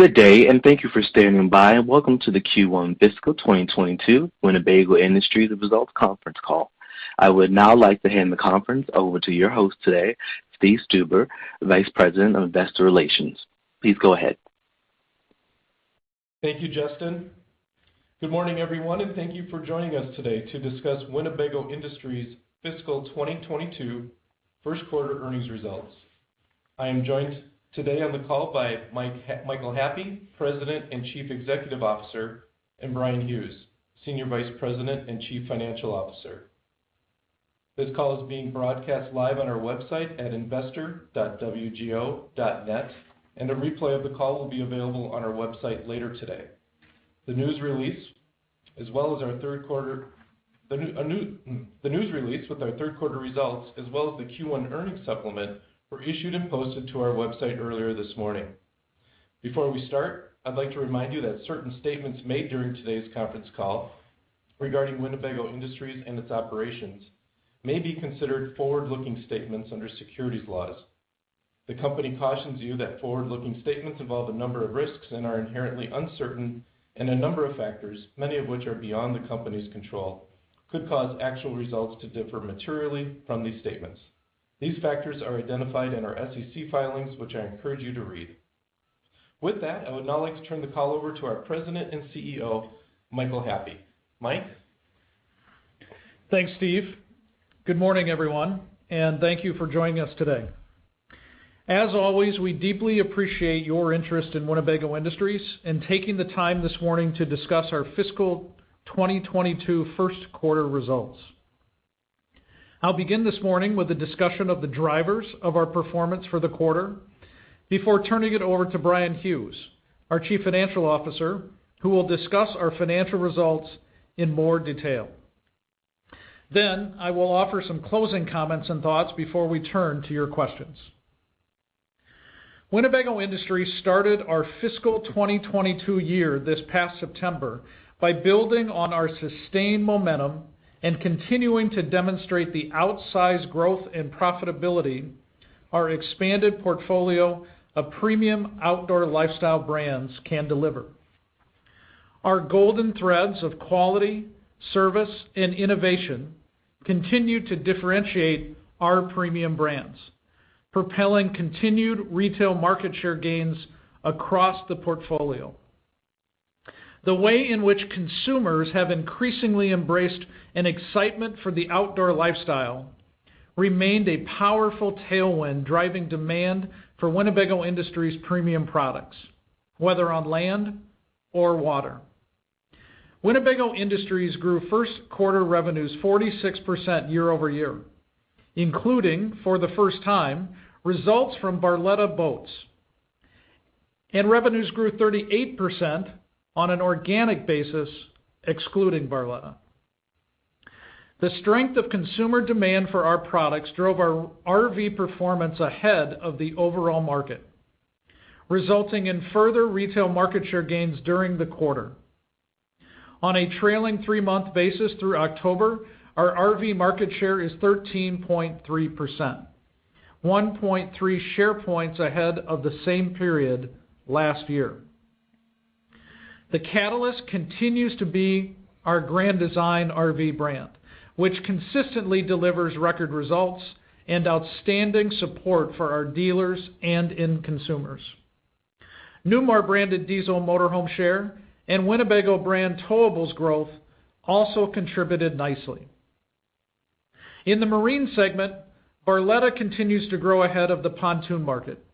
Good day, thank you for standing by. Welcome to the Q1 Fiscal 2022 Winnebago Industries Results Conference Call. I would now like to hand the conference over to your host today, Steve Stuber, Vice President of Investor Relations. Please go ahead. Thank you, Justin. Good morning, everyone, and thank you for joining us today to discuss Winnebago Industries' Fiscal 2022 first quarter earnings results. I am joined today on the call by Michael Happe, President and Chief Executive Officer, and Bryan Hughes, Senior Vice President and Chief Financial Officer. This call is being broadcast live on our website at investor.wgo.net, and a replay of the call will be available on our website later today. The news release with our first quarter results, as well as the Q1 earnings supplement, were issued and posted to our website earlier this morning. Before we start, I'd like to remind you that certain statements made during today's conference call regarding Winnebago Industries and its operations may be considered forward-looking statements under securities laws. The company cautions you that forward-looking statements involve a number of risks and are inherently uncertain, and a number of factors, many of which are beyond the company's control, could cause actual results to differ materially from these statements. These factors are identified in our SEC filings, which I encourage you to read. With that, I would now like to turn the call over to our President and CEO, Michael Happe. Mike? Thanks, Steve. Good morning, everyone, and thank you for joining us today. As always, we deeply appreciate your interest in Winnebago Industries and taking the time this morning to discuss our fiscal 2022 first quarter results. I'll begin this morning with a discussion of the drivers of our performance for the quarter before turning it over to Bryan Hughes, our Chief Financial Officer, who will discuss our financial results in more detail. Then I will offer some closing comments and thoughts before we turn to your questions. Winnebago Industries started our fiscal 2022 year this past September by building on our sustained momentum and continuing to demonstrate the outsized growth and profitability our expanded portfolio of premium outdoor lifestyle brands can deliver. Our golden threads of quality, service, and innovation continue to differentiate our premium brands, propelling continued retail market share gains across the portfolio. The way in which consumers have increasingly embraced an excitement for the outdoor lifestyle remained a powerful tailwind driving demand for Winnebago Industries premium products, whether on land or water. Winnebago Industries grew first quarter revenues 46% year-over-year, including, for the first time, results from Barletta Boats. Revenues grew 38% on an organic basis, excluding Barletta. The strength of consumer demand for our products drove our RV performance ahead of the overall market, resulting in further retail market share gains during the quarter. On a trailing three month basis through October, our RV market share is 13.3%, 1.3 share points ahead of the same period last year. The catalyst continues to be our Grand Design RV brand, which consistently delivers record results and outstanding support for our dealers and end consumers. Newmar branded diesel motorhome share and Winnebago brand towables growth also contributed nicely. In the marine segment, Barletta continues to grow ahead of the pontoon market,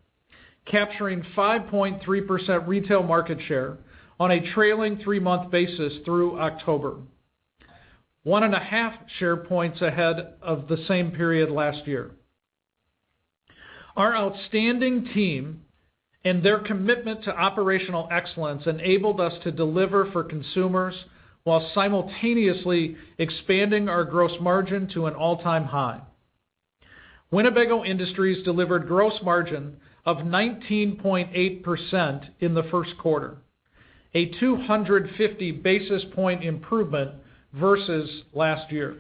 capturing 5.3% retail market share on a trailing three month basis through October, 1.5 share points ahead of the same period last year. Our outstanding team and their commitment to operational excellence enabled us to deliver for consumers while simultaneously expanding our gross margin to an all-time high. Winnebago Industries delivered gross margin of 19.8% in the first quarter, a 250 basis point improvement versus last year.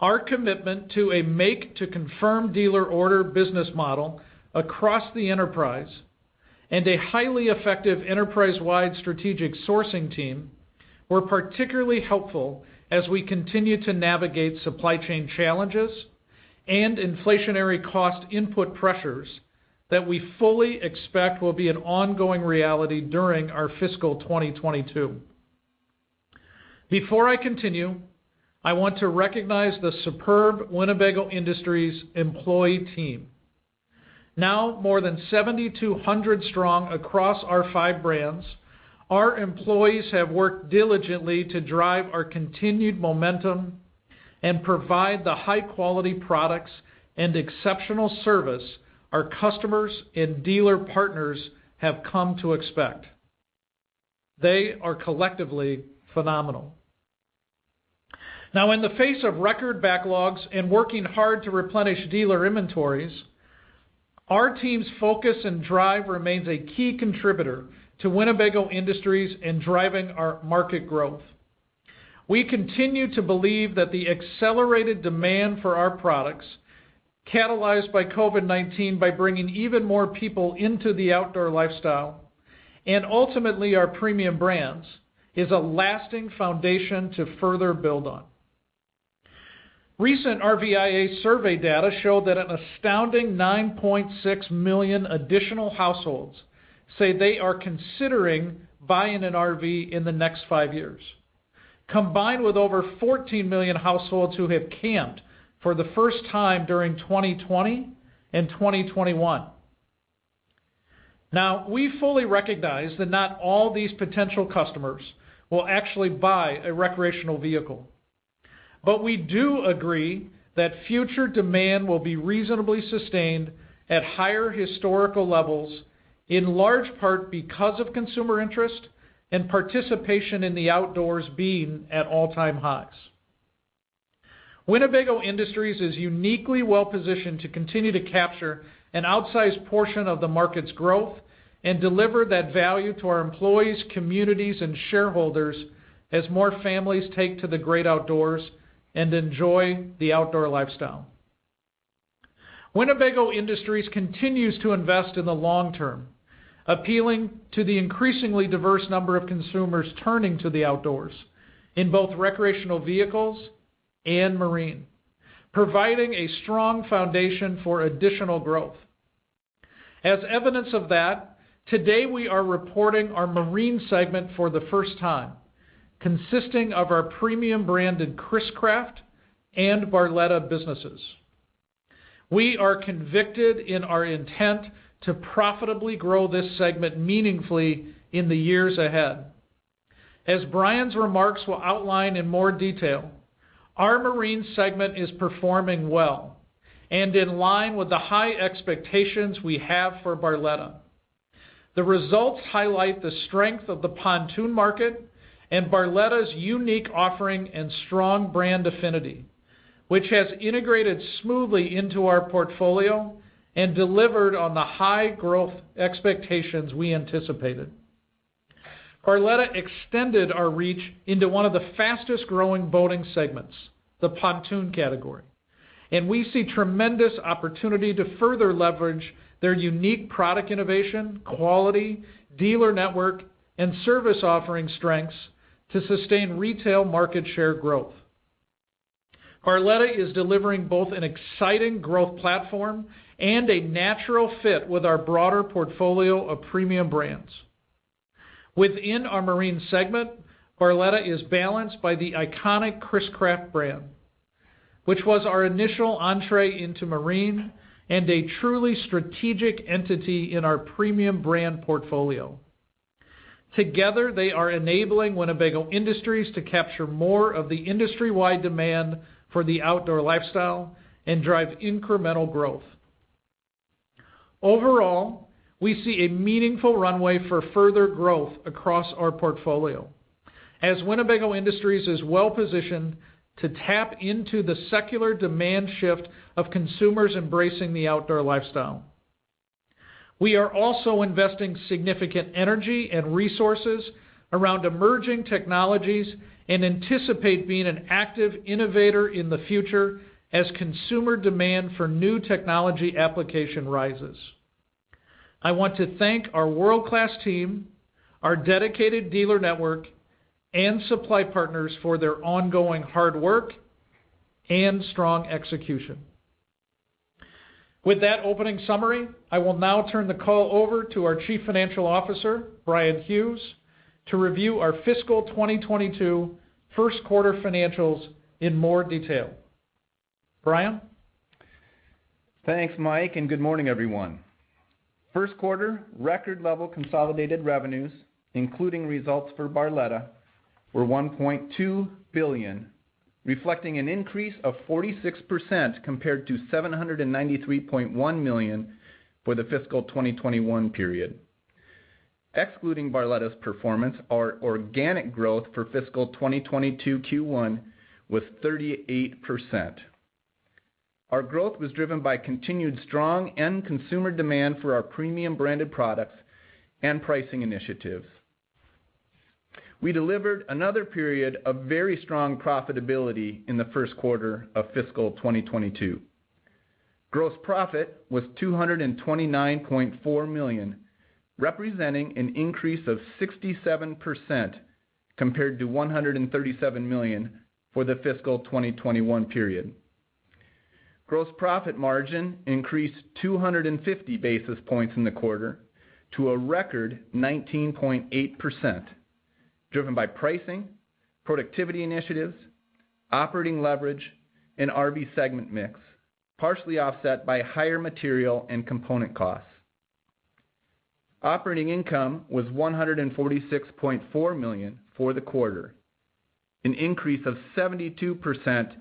Our commitment to a make-to-confirmed dealer order business model across the enterprise and a highly effective enterprise-wide strategic sourcing team were particularly helpful as we continue to navigate supply chain challenges and inflationary cost input pressures that we fully expect will be an ongoing reality during our fiscal 2022. Before I continue, I want to recognize the superb Winnebago Industries employee team. Now more than 7,200 strong across our five brands, our employees have worked diligently to drive our continued momentum and provide the high-quality products and exceptional service our customers and dealer partners have come to expect. They are collectively phenomenal. Now, in the face of record backlogs and working hard to replenish dealer inventories, our team's focus and drive remains a key contributor to Winnebago Industries in driving our market growth. We continue to believe that the accelerated demand for our products, catalyzed by COVID-19 by bringing even more people into the outdoor lifestyle and ultimately our premium brands, is a lasting foundation to further build on. Recent RVIA survey data show that an astounding 9.6 million additional households say they are considering buying an RV in the next five years, combined with over 14 million households who have camped for the first time during 2020 and 2021. Now, we fully recognize that not all these potential customers will actually buy a recreational vehicle. We do agree that future demand will be reasonably sustained at higher historical levels, in large part because of consumer interest and participation in the outdoors being at all-time highs. Winnebago Industries is uniquely well-positioned to continue to capture an outsized portion of the market's growth and deliver that value to our employees, communities, and shareholders as more families take to the great outdoors and enjoy the outdoor lifestyle. Winnebago Industries continues to invest in the long term, appealing to the increasingly diverse number of consumers turning to the outdoors in both recreational vehicles and marine, providing a strong foundation for additional growth. As evidence of that, today we are reporting our marine segment for the first time, consisting of our premium brand in Chris-Craft and Barletta businesses. We are convicted in our intent to profitably grow this segment meaningfully in the years ahead. As Bryan's remarks will outline in more detail, our Marine segment is performing well and in line with the high expectations we have for Barletta. The results highlight the strength of the pontoon market and Barletta's unique offering and strong brand affinity, which has integrated smoothly into our portfolio and delivered on the high growth expectations we anticipated. Barletta extended our reach into one of the fastest-growing boating segments, the pontoon category, and we see tremendous opportunity to further leverage their unique product innovation, quality, dealer network, and service offering strengths to sustain retail market share growth. Barletta is delivering both an exciting growth platform and a natural fit with our broader portfolio of premium brands. Within our Marine segment, Barletta is balanced by the iconic Chris-Craft brand, which was our initial entree into marine and a truly strategic entity in our premium brand portfolio. Together, they are enabling Winnebago Industries to capture more of the industry-wide demand for the outdoor lifestyle and drive incremental growth. Overall, we see a meaningful runway for further growth across our portfolio as Winnebago Industries is well positioned to tap into the secular demand shift of consumers embracing the outdoor lifestyle. We are also investing significant energy and resources around emerging technologies and anticipate being an active innovator in the future as consumer demand for new technology application rises. I want to thank our world-class team, our dedicated dealer network, and supply partners for their ongoing hard work and strong execution. With that opening summary, I will now turn the call over to our Chief Financial Officer, Bryan Hughes, to review our fiscal 2022 first quarter financials in more detail. Bryan? Thanks, Mike, and good morning, everyone. First quarter record level consolidated revenues, including results for Barletta, were $1.2 billion, reflecting an increase of 46% compared to $793.1 million for the fiscal 2021 period. Excluding Barletta's performance, our organic growth for fiscal 2022 Q1 was 38%. Our growth was driven by continued strong end consumer demand for our premium branded products and pricing initiatives. We delivered another period of very strong profitability in the first quarter of fiscal 2022. Gross profit was $229.4 million, representing an increase of 67% compared to $137 million for the fiscal 2021 period. Gross profit margin increased 250 basis points in the quarter to a record 19.8%, driven by pricing, productivity initiatives, operating leverage, and RV segment mix, partially offset by higher material and component costs. Operating income was $146.4 million for the quarter, an increase of 72%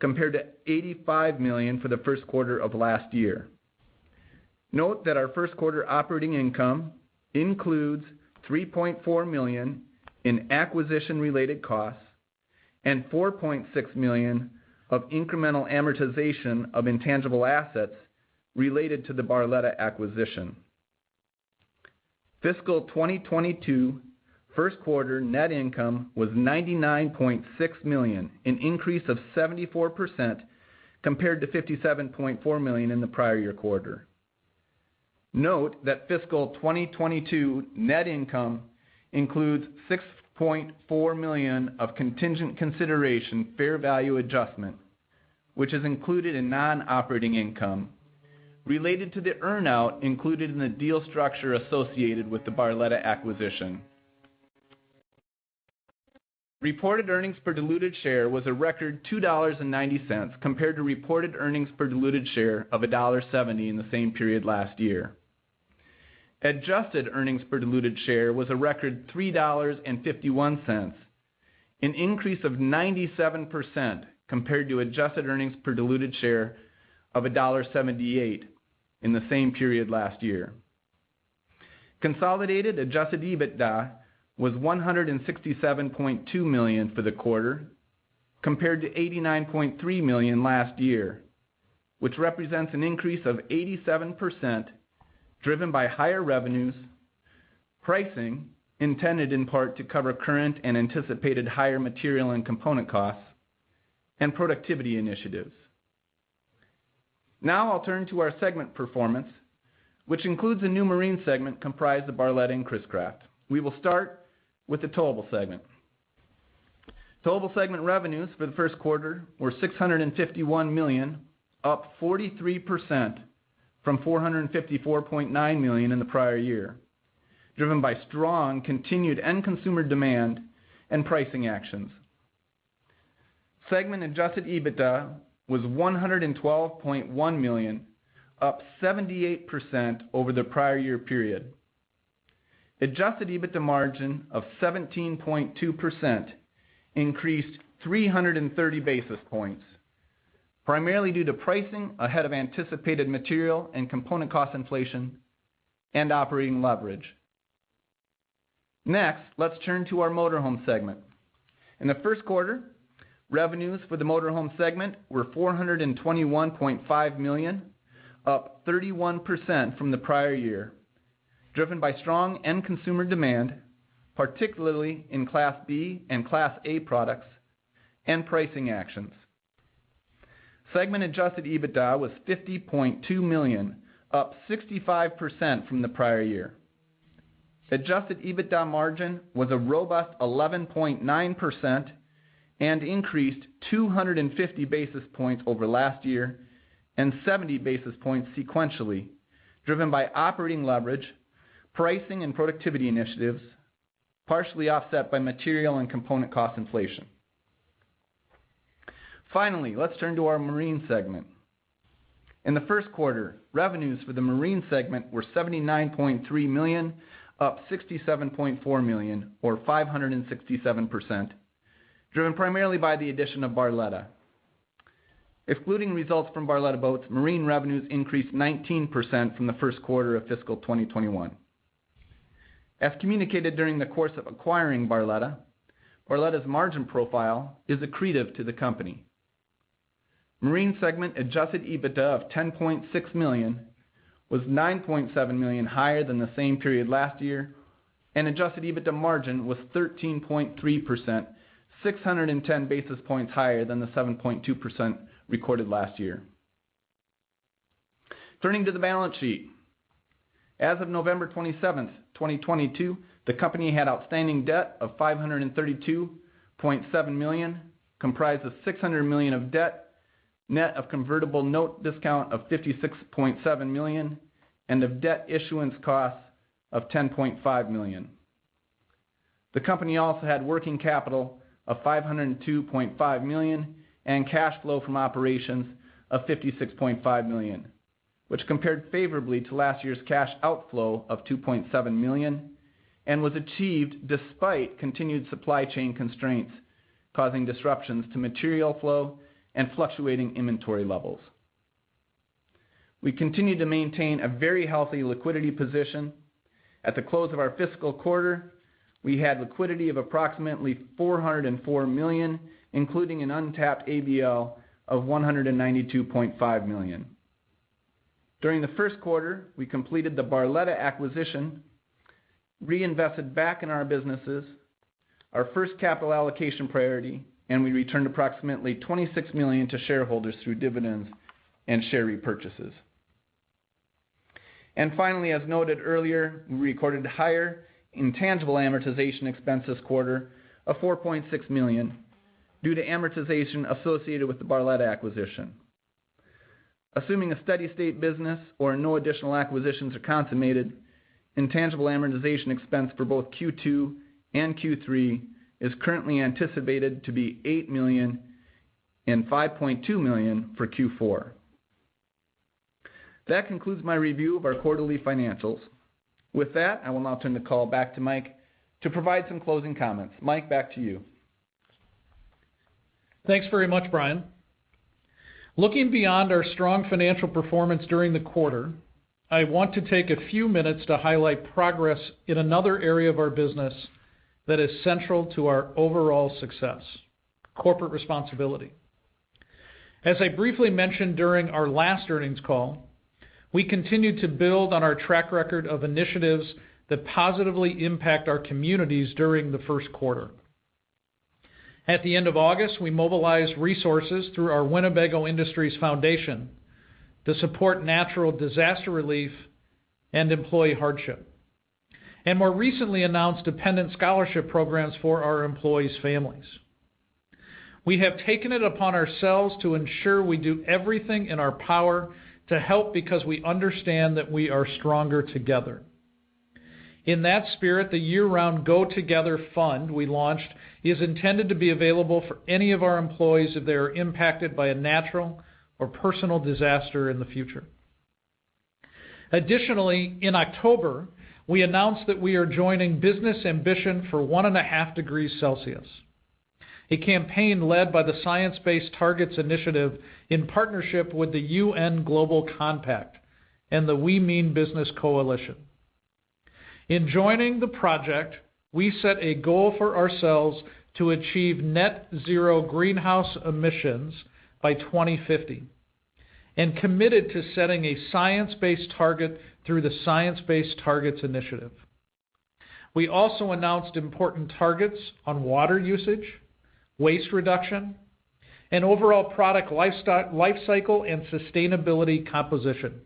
compared to $85 million for the first quarter of last year. Note that our first quarter operating income includes $3.4 million in acquisition-related costs and $4.6 million of incremental amortization of intangible assets related to the Barletta acquisition. Fiscal 2022 first quarter net income was $99.6 million, an increase of 74% compared to $57.4 million in the prior year quarter. Note that fiscal 2022 net income includes $6.4 million of contingent consideration fair value adjustment, which is included in non-operating income related to the earn-out included in the deal structure associated with the Barletta acquisition. Reported earnings per diluted share was a record $2.90 compared to reported earnings per diluted share of $1.70 in the same period last year. Adjusted earnings per diluted share was a record $3.51, an increase of 97% compared to adjusted earnings per diluted share of $1.78 in the same period last year. Consolidated adjusted EBITDA was $167.2 million for the quarter, compared to $89.3 million last year, which represents an increase of 87% driven by higher revenues, pricing intended in part to cover current and anticipated higher material and component costs and productivity initiatives. Now I'll turn to our segment performance, which includes a new marine segment comprised of Barletta and Chris-Craft. We will start with the Towable segment. Towable segment revenues for the first quarter were $651 million, up 43% from $454.9 million in the prior year, driven by strong continued end consumer demand and pricing actions. Segment adjusted EBITDA was $112.1 million, up 78% over the prior year period. Adjusted EBITDA margin of 17.2% increased 330 basis points, primarily due to pricing ahead of anticipated material and component cost inflation and operating leverage. Next, let's turn to our Motorhome segment. In the first quarter, revenues for the Motorhome segment were $421.5 million, up 31% from the prior year, driven by strong end consumer demand, particularly in Class B and Class A products and pricing actions. Segment adjusted EBITDA was $50.2 million, up 65% from the prior year. Adjusted EBITDA margin was a robust 11.9% and increased 250 basis points over last year and 70 basis points sequentially, driven by operating leverage, pricing and productivity initiatives, partially offset by material and component cost inflation. Finally, let's turn to our Marine segment. In the first quarter, revenues for the Marine segment were $79.3 million, up $67.4 million or 567%, driven primarily by the addition of Barletta. Excluding results from Barletta Boats, Marine revenues increased 19% from the first quarter of fiscal 2021. As communicated during the course of acquiring Barletta's margin profile is accretive to the company. Marine segment adjusted EBITDA of $10.6 million was $9.7 million higher than the same period last year, and adjusted EBITDA margin was 13.3%, 610 basis points higher than the 7.2% recorded last year. Turning to the balance sheet. As of November 27th, 2022, the company had outstanding debt of $532.7 million, comprised of $600 million of debt, net of convertible note discount of $56.7 million, and of debt issuance costs of $10.5 million. The company also had working capital of $502.5 million and cash flow from operations of $56.5 million, which compared favorably to last year's cash outflow of $2.7 million, and was achieved despite continued supply chain constraints, causing disruptions to material flow and fluctuating inventory levels. We continued to maintain a very healthy liquidity position. At the close of our fiscal quarter, we had liquidity of approximately $404 million, including an untapped ABL of $192.5 million. During the first quarter, we completed the Barletta acquisition, reinvested back in our businesses, our first capital allocation priority, and we returned approximately $26 million to shareholders through dividends and share repurchases. Finally, as noted earlier, we recorded higher intangible amortization expense this quarter of $4.6 million due to amortization associated with the Barletta acquisition. Assuming a steady state business or no additional acquisitions are consummated, intangible amortization expense for both Q2 and Q3 is currently anticipated to be $8 million and $5.2 million for Q4. That concludes my review of our quarterly financials. With that, I will now turn the call back to Mike to provide some closing comments. Mike, back to you. Thanks very much, Bryan. Looking beyond our strong financial performance during the quarter, I want to take a few minutes to highlight progress in another area of our business that is central to our overall success, corporate responsibility. As I briefly mentioned during our last earnings call, we continued to build on our track record of initiatives that positively impact our communities during the first quarter. At the end of August, we mobilized resources through our Winnebago Industries Foundation to support natural disaster relief and employee hardship, and more recently announced dependent scholarship programs for our employees' families. We have taken it upon ourselves to ensure we do everything in our power to help because we understand that we are stronger together. In that spirit, the year-round GO Together Fund we launched is intended to be available for any of our employees if they are impacted by a natural or personal disaster in the future. Additionally, in October, we announced that we are joining Business Ambition for 1.5°C, a campaign led by the Science Based Targets initiative in partnership with the UN Global Compact and the We Mean Business Coalition. In joining the project, we set a goal for ourselves to achieve net zero greenhouse emissions by 2050 and committed to setting a science-based target through the Science Based Targets initiative. We also announced important targets on water usage, waste reduction, and overall product lifecycle and sustainability composition.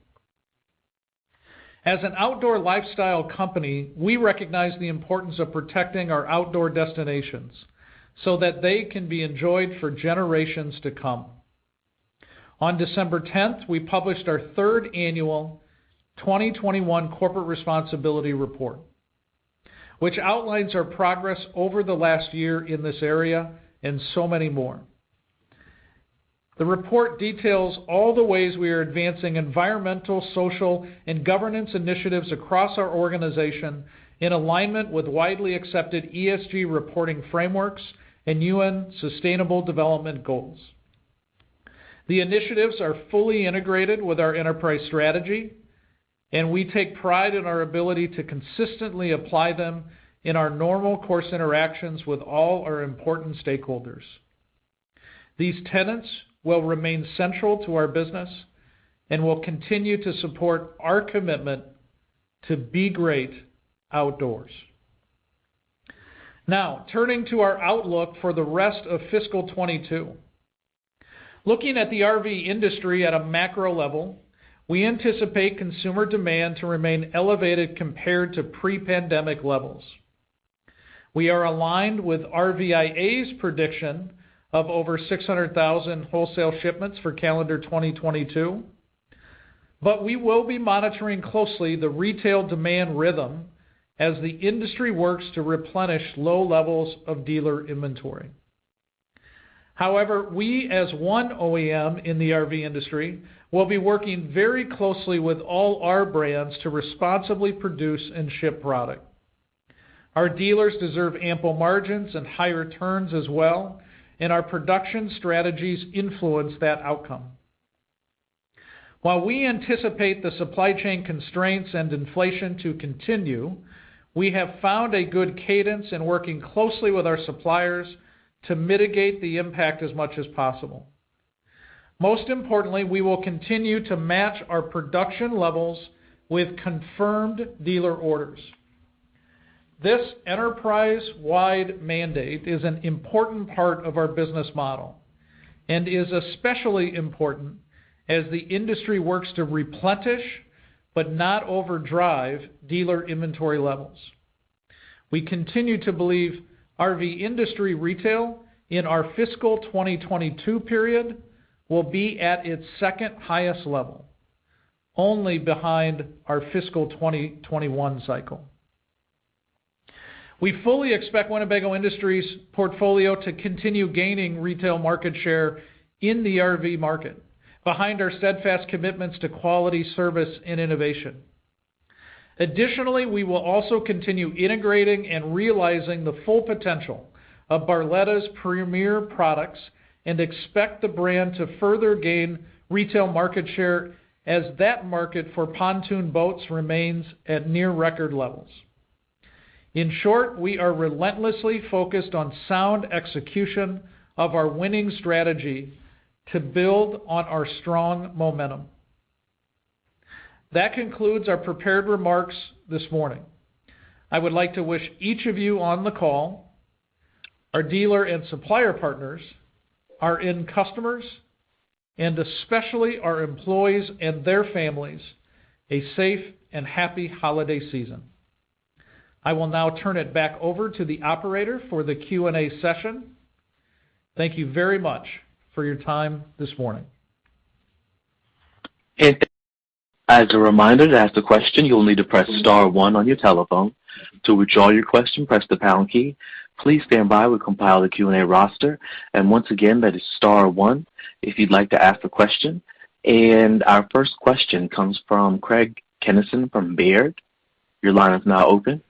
As an outdoor lifestyle company, we recognize the importance of protecting our outdoor destinations so that they can be enjoyed for generations to come. On December 10th, we published our third annual 2021 corporate responsibility report, which outlines our progress over the last year in this area and so many more. The report details all the ways we are advancing environmental, social, and governance initiatives across our organization in alignment with widely accepted ESG reporting frameworks and UN Sustainable Development Goals. The initiatives are fully integrated with our enterprise strategy, and we take pride in our ability to consistently apply them in our normal course interactions with all our important stakeholders. These tenets will remain central to our business and will continue to support our commitment to Be Great Outdoors. Now, turning to our outlook for the rest of fiscal 2022. Looking at the RV industry at a macro level, we anticipate consumer demand to remain elevated compared to pre-pandemic levels. We are aligned with RVIA's prediction of over 600,000 wholesale shipments for calendar 2022. We will be monitoring closely the retail demand rhythm as the industry works to replenish low levels of dealer inventory. We as one OEM in the RV industry, will be working very closely with all our brands to responsibly produce and ship product. Our dealers deserve ample margins and high returns as well, and our production strategies influence that outcome. While we anticipate the supply chain constraints and inflation to continue, we have found a good cadence in working closely with our suppliers to mitigate the impact as much as possible. Most importantly, we will continue to match our production levels with confirmed dealer orders. This enterprise-wide mandate is an important part of our business model and is especially important as the industry works to replenish but not overdrive dealer inventory levels. We continue to believe RV industry retail in our fiscal 2022 period will be at its second-highest level, only behind our fiscal 2021 cycle. We fully expect Winnebago Industries portfolio to continue gaining retail market share in the RV market behind our steadfast commitments to quality, service, and innovation. Additionally, we will also continue integrating and realizing the full potential of Barletta's premier products and expect the brand to further gain retail market share as that market for pontoon boats remains at near record levels. In short, we are relentlessly focused on sound execution of our winning strategy to build on our strong momentum. That concludes our prepared remarks this morning. I would like to wish each of you on the call, our dealer and supplier partners, our end customers, and especially our employees and their families, a safe and happy holiday season. I will now turn it back over to the operator for the Q&A session. Thank you very much for your time this morning. As a reminder to ask the question, you'll need to press star one on your telephone. To withdraw your question, press the pound key. Please stand by. We'll compile the Q&A roster. Once again, that is star one if you'd like to ask a question. Our first question comes from Craig Kennison from Baird. Your line is now open.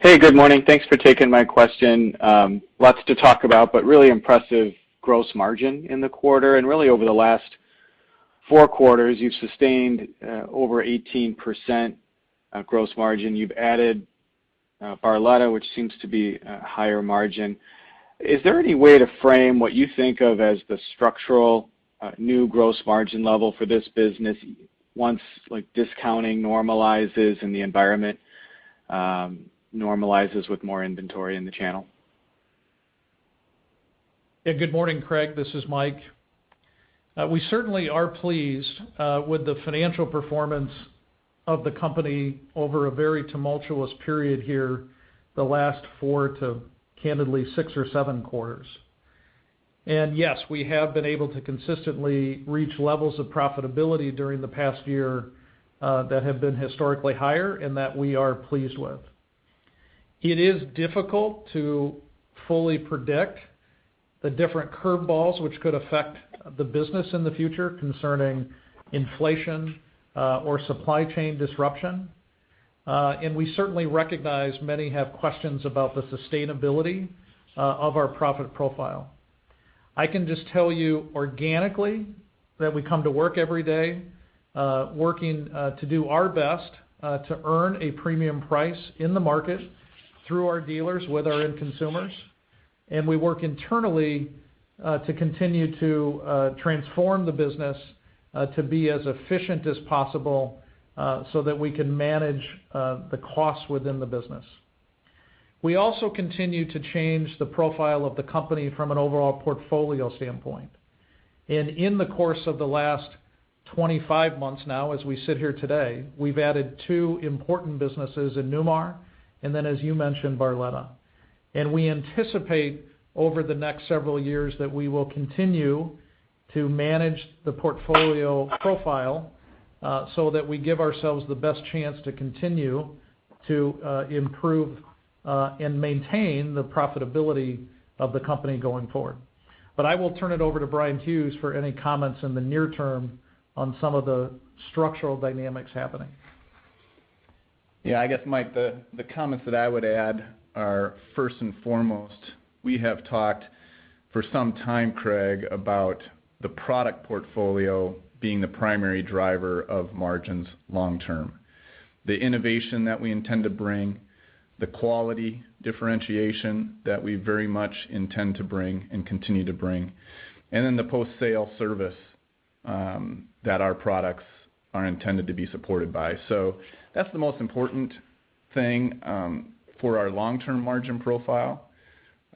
Hey, good morning. Thanks for taking my question. Lots to talk about, but really impressive gross margin in the quarter and really over the last four quarters, you've sustained over 18% gross margin. You've added Barletta, which seems to be a higher margin. Is there any way to frame what you think of as the structural new gross margin level for this business once, like, discounting normalizes and the environment normalizes with more inventory in the channel? Yeah. Good morning, Craig. This is Mike. We certainly are pleased with the financial performance of the company over a very tumultuous period here, the last four to, candidly, six or seven quarters. Yes, we have been able to consistently reach levels of profitability during the past year that have been historically higher and that we are pleased with. It is difficult to fully predict the different curve balls which could affect the business in the future concerning inflation or supply chain disruption. We certainly recognize many have questions about the sustainability of our profit profile. I can just tell you organically that we come to work every day working to do our best to earn a premium price in the market through our dealers with our end consumers. We work internally to continue to transform the business to be as efficient as possible so that we can manage the costs within the business. We also continue to change the profile of the company from an overall portfolio standpoint. In the course of the last 25 months now, as we sit here today, we've added two important businesses in Newmar, and then as you mentioned, Barletta. We anticipate over the next several years that we will continue to manage the portfolio profile so that we give ourselves the best chance to continue to improve and maintain the profitability of the company going forward. I will turn it over to Bryan Hughes for any comments in the near term on some of the structural dynamics happening. Yeah. I guess, Mike, the comments that I would add are, first and foremost, we have talked for some time, Craig, about the product portfolio being the primary driver of margins long term. The innovation that we intend to bring, the quality differentiation that we very much intend to bring and continue to bring, and then the post-sale service that our products are intended to be supported by. That's the most important thing for our long-term margin profile.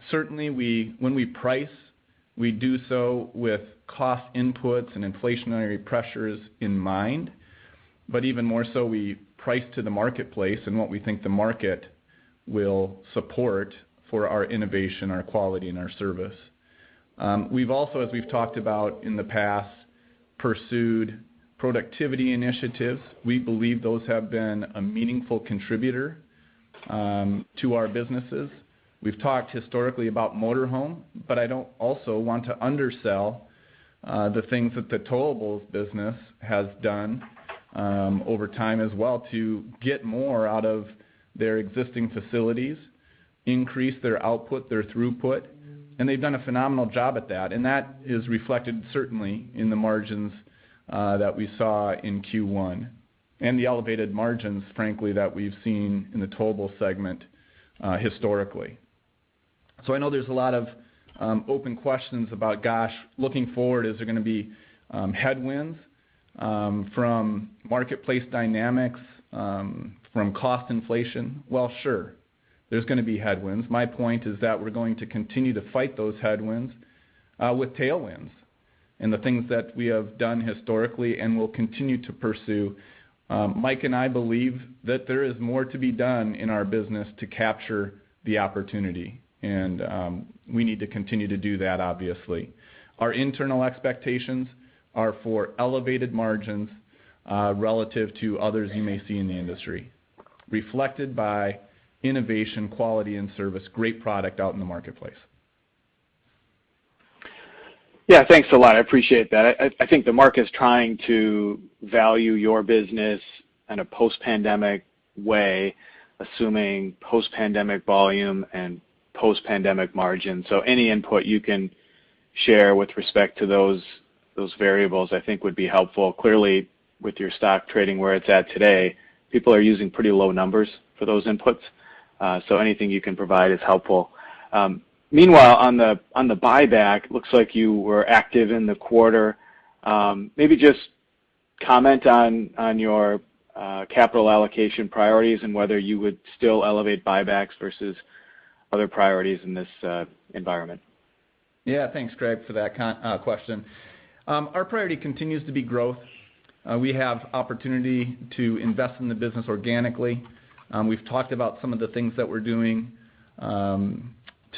Certainly we, when we price, we do so with cost inputs and inflationary pressures in mind, but even more so, we price to the marketplace and what we think the market will support for our innovation, our quality, and our service. We've also, as we've talked about in the past, pursued productivity initiatives. We believe those have been a meaningful contributor to our businesses. We've talked historically about motor home, but I don't also want to undersell the things that the towables business has done over time as well to get more out of their existing facilities, increase their output, their throughput, and they've done a phenomenal job at that. That is reflected certainly in the margins that we saw in Q1, and the elevated margins, frankly, that we've seen in the towable segment historically. I know there's a lot of open questions about, gosh, looking forward, is there gonna be headwinds from marketplace dynamics, from cost inflation? Well, sure, there's gonna be headwinds. My point is that we're going to continue to fight those headwinds with tailwinds and the things that we have done historically and will continue to pursue. Mike and I believe that there is more to be done in our business to capture the opportunity, and we need to continue to do that, obviously. Our internal expectations are for elevated margins, relative to others you may see in the industry, reflected by innovation, quality, and service, great product out in the marketplace. Yeah. Thanks a lot. I appreciate that. I think the market is trying to value your business in a post-pandemic way, assuming post-pandemic volume and post-pandemic margin. Any input you can share with respect to those variables, I think would be helpful. Clearly, with your stock trading where it's at today, people are using pretty low numbers for those inputs, so anything you can provide is helpful. Meanwhile, on the buyback, looks like you were active in the quarter. Maybe just comment on your capital allocation priorities and whether you would still elevate buybacks versus other priorities in this environment. Yeah. Thanks, Craig, for that question. Our priority continues to be growth. We have opportunity to invest in the business organically. We've talked about some of the things that we're doing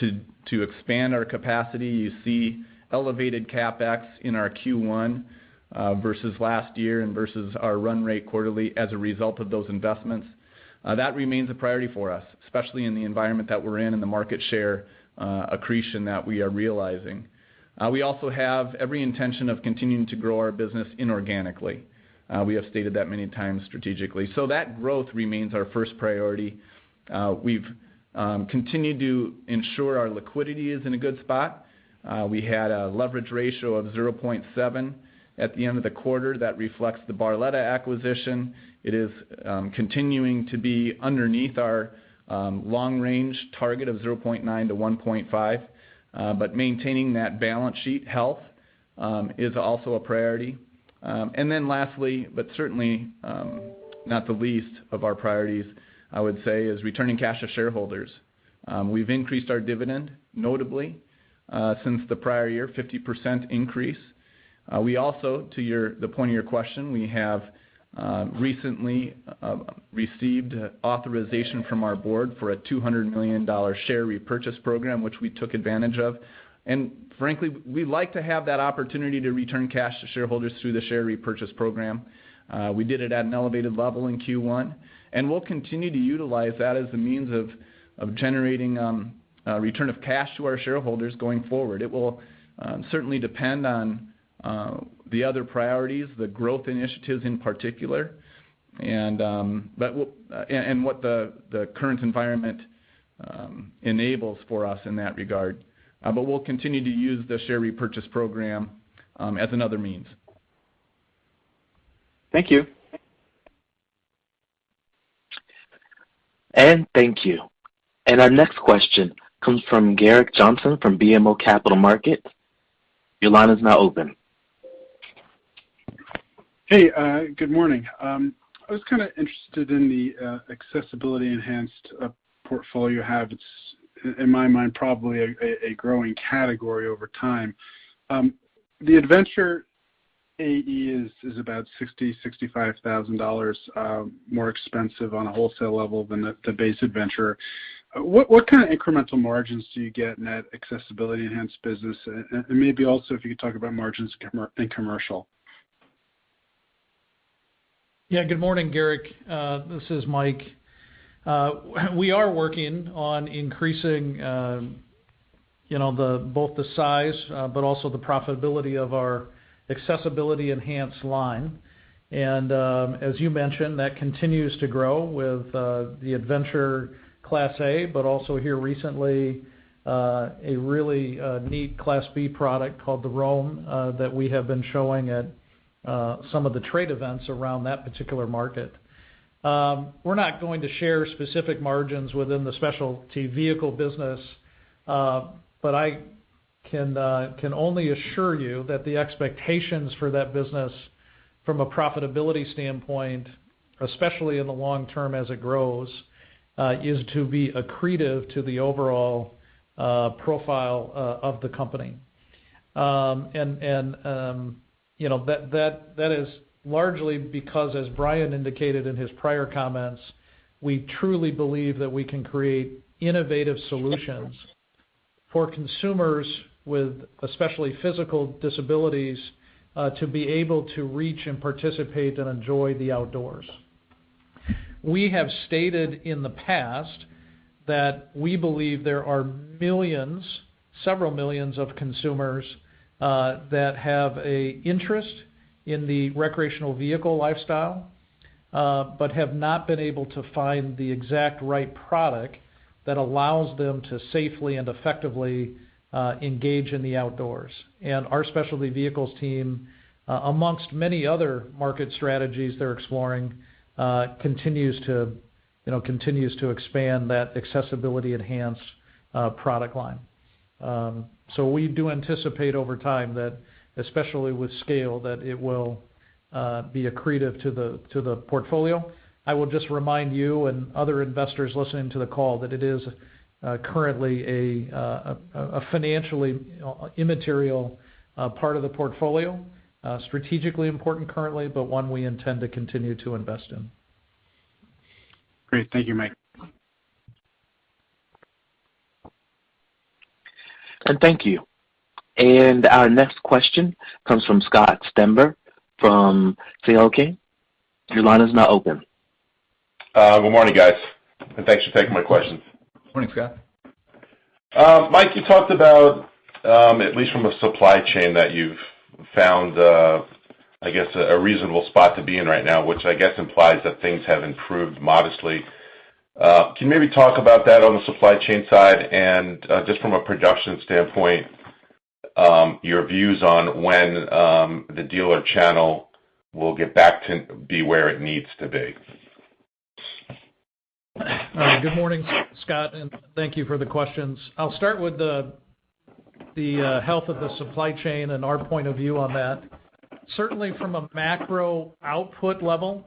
to expand our capacity. You see elevated CapEx in our Q1 versus last year and versus our run rate quarterly as a result of those investments. That remains a priority for us, especially in the environment that we're in and the market share accretion that we are realizing. We also have every intention of continuing to grow our business inorganically. We have stated that many times strategically. That growth remains our first priority. We've continued to ensure our liquidity is in a good spot. We had a leverage ratio of 0.7 at the end of the quarter. That reflects the Barletta acquisition. It is continuing to be underneath our long range target of 0.9-1.5. Maintaining that balance sheet health is also a priority. Lastly, but certainly not the least of our priorities, I would say, is returning cash to shareholders. We've increased our dividend, notably, since the prior year, 50% increase. We also, to the point of your question, we have recently received authorization from our board for a $200 million share repurchase program, which we took advantage of. Frankly, we like to have that opportunity to return cash to shareholders through the share repurchase program. We did it at an elevated level in Q1, and we'll continue to utilize that as a means of generating return of cash to our shareholders going forward. It will certainly depend on the other priorities, the growth initiatives in particular, and what the current environment enables for us in that regard. We'll continue to use the share repurchase program as another means. Thank you. Thank you. Our next question comes from Gerrick Johnson from BMO Capital Markets. Your line is now open. Hey, good morning. I was kind of interested in the accessibility enhanced portfolio habits. In my mind, probably a growing category over time. The Adventurer AE is about $60,000-$65,000 more expensive on a wholesale level than the base Adventurer. What kind of incremental margins do you get in that accessibility enhanced business? Maybe also if you could talk about margins in commercial. Good morning, Gerrick. This is Mike. We are working on increasing, you know, both the size but also the profitability of our accessibility-enhanced line. As you mentioned, that continues to grow with the Adventurer Class A, but also here recently, a really neat Class B product called the Roam, that we have been showing at some of the trade events around that particular market. We're not going to share specific margins within the specialty vehicle business, but I can only assure you that the expectations for that business from a profitability standpoint, especially in the long term as it grows, is to be accretive to the overall profile of the company. That is largely because, as Bryan indicated in his prior comments, we truly believe that we can create innovative solutions for consumers with especially physical disabilities to be able to reach and participate and enjoy the outdoors. We have stated in the past that we believe there are millions, several millions of consumers that have an interest in the recreational vehicle lifestyle but have not been able to find the exact right product that allows them to safely and effectively engage in the outdoors. Our specialty vehicles team, amongst many other market strategies they're exploring, continues to expand that accessibility-enhanced product line. We do anticipate over time that, especially with scale, it will be accretive to the portfolio. I will just remind you and other investors listening to the call that it is currently a financially, you know, immaterial part of the portfolio. Strategically important currently, but one we intend to continue to invest in. Great. Thank you, Mike. Thank you. Our next question comes from Scott Stember from CL King. Your line is now open. Good morning, guys, and thanks for taking my questions. Morning, Scott. Mike, you talked about, at least from a supply chain that you've found, I guess a reasonable spot to be in right now, which I guess implies that things have improved modestly. Can you maybe talk about that on the supply chain side and, just from a production standpoint, your views on when the dealer channel will get back to be where it needs to be? Good morning, Scott, and thank you for the questions. I'll start with the health of the supply chain and our point of view on that. Certainly from a macro output level,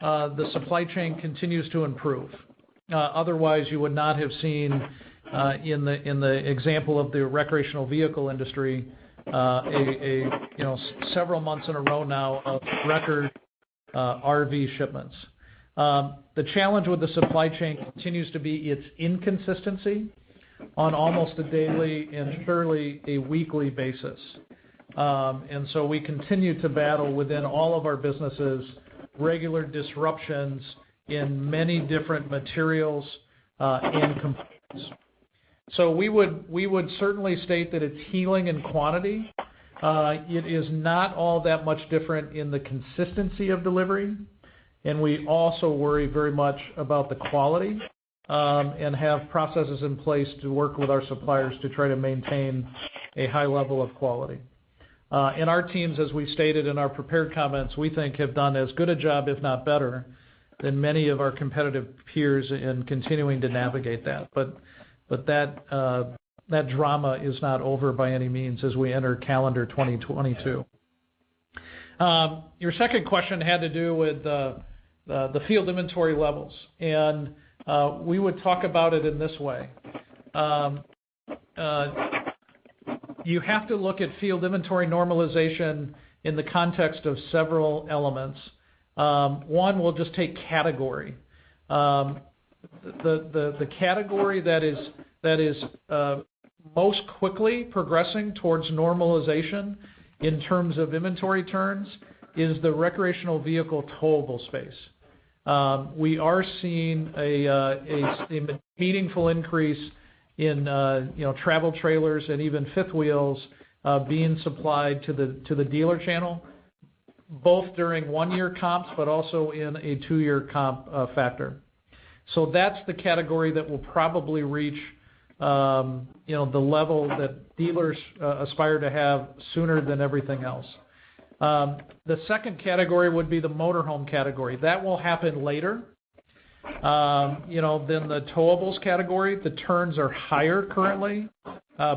the supply chain continues to improve. Otherwise you would not have seen, in the example of the recreational vehicle industry, you know several months in a row now of record RV shipments. The challenge with the supply chain continues to be its inconsistency on almost a daily and surely a weekly basis. We continue to battle within all of our businesses, regular disruptions in many different materials and components. We would certainly state that it's healing in quantity. It is not all that much different in the consistency of delivery, and we also worry very much about the quality, and have processes in place to work with our suppliers to try to maintain a high level of quality. Our teams, as we stated in our prepared comments, we think have done as good a job, if not better, than many of our competitive peers in continuing to navigate that. That drama is not over by any means as we enter calendar 2022. Your second question had to do with the field inventory levels. We would talk about it in this way. You have to look at field inventory normalization in the context of several elements. One, we'll just take category. The category that is most quickly progressing towards normalization in terms of inventory turns is the recreational vehicle towable space. We are seeing a meaningful increase in, you know, travel trailers and even fifth wheels being supplied to the dealer channel, both during one year comps, but also in a two year comp factor. That's the category that will probably reach, you know, the level that dealers aspire to have sooner than everything else. The second category would be the motor home category. That will happen later. You know, the towables category, the turns are higher currently.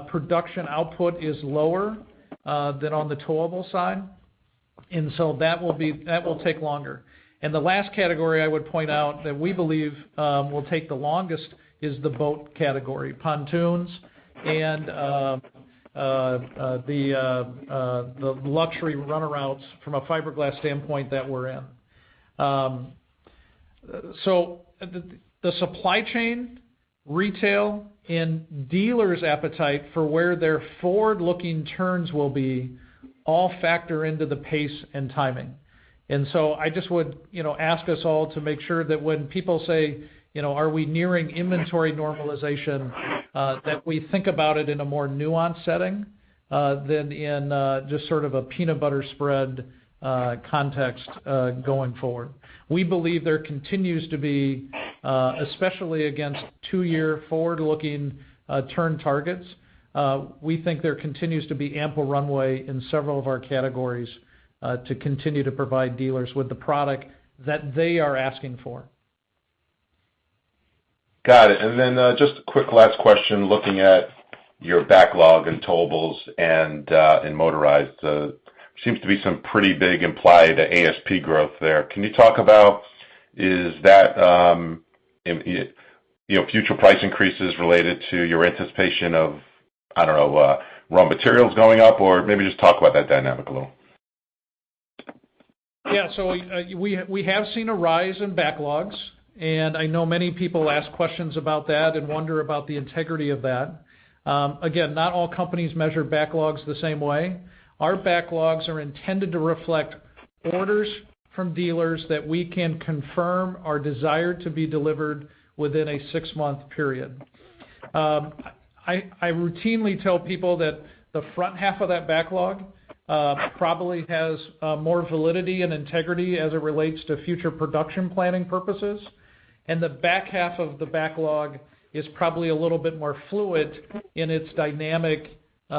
Production output is lower than on the towable side, and so that will take longer. The last category I would point out that we believe will take the longest is the boat category, pontoons and the luxury runabouts from a fiberglass standpoint that we're in. The supply chain, retail, and dealers' appetite for where their forward-looking turns will be all factor into the pace and timing. I just would, you know, ask us all to make sure that when people say, you know, are we nearing inventory normalization, that we think about it in a more nuanced setting than in just sort of a peanut butter spread context going forward. We believe there continues to be especially against two year forward-looking turn targets. We think there continues to be ample runway in several of our categories to continue to provide dealers with the product that they are asking for. Got it. Just a quick last question. Looking at your backlog in towables and in motorized, seems to be some pretty big implied ASP growth there. Can you talk about that, you know, future price increases related to your anticipation of, I don't know, raw materials going up or maybe just talk about that dynamic a little. Yeah. We have seen a rise in backlogs, and I know many people ask questions about that and wonder about the integrity of that. Again, not all companies measure backlogs the same way. Our backlogs are intended to reflect orders from dealers that we can confirm are desired to be delivered within a six month period. I routinely tell people that the front half of that backlog probably has more validity and integrity as it relates to future production planning purposes. The back half of the backlog is probably a little bit more fluid in its dynamic, you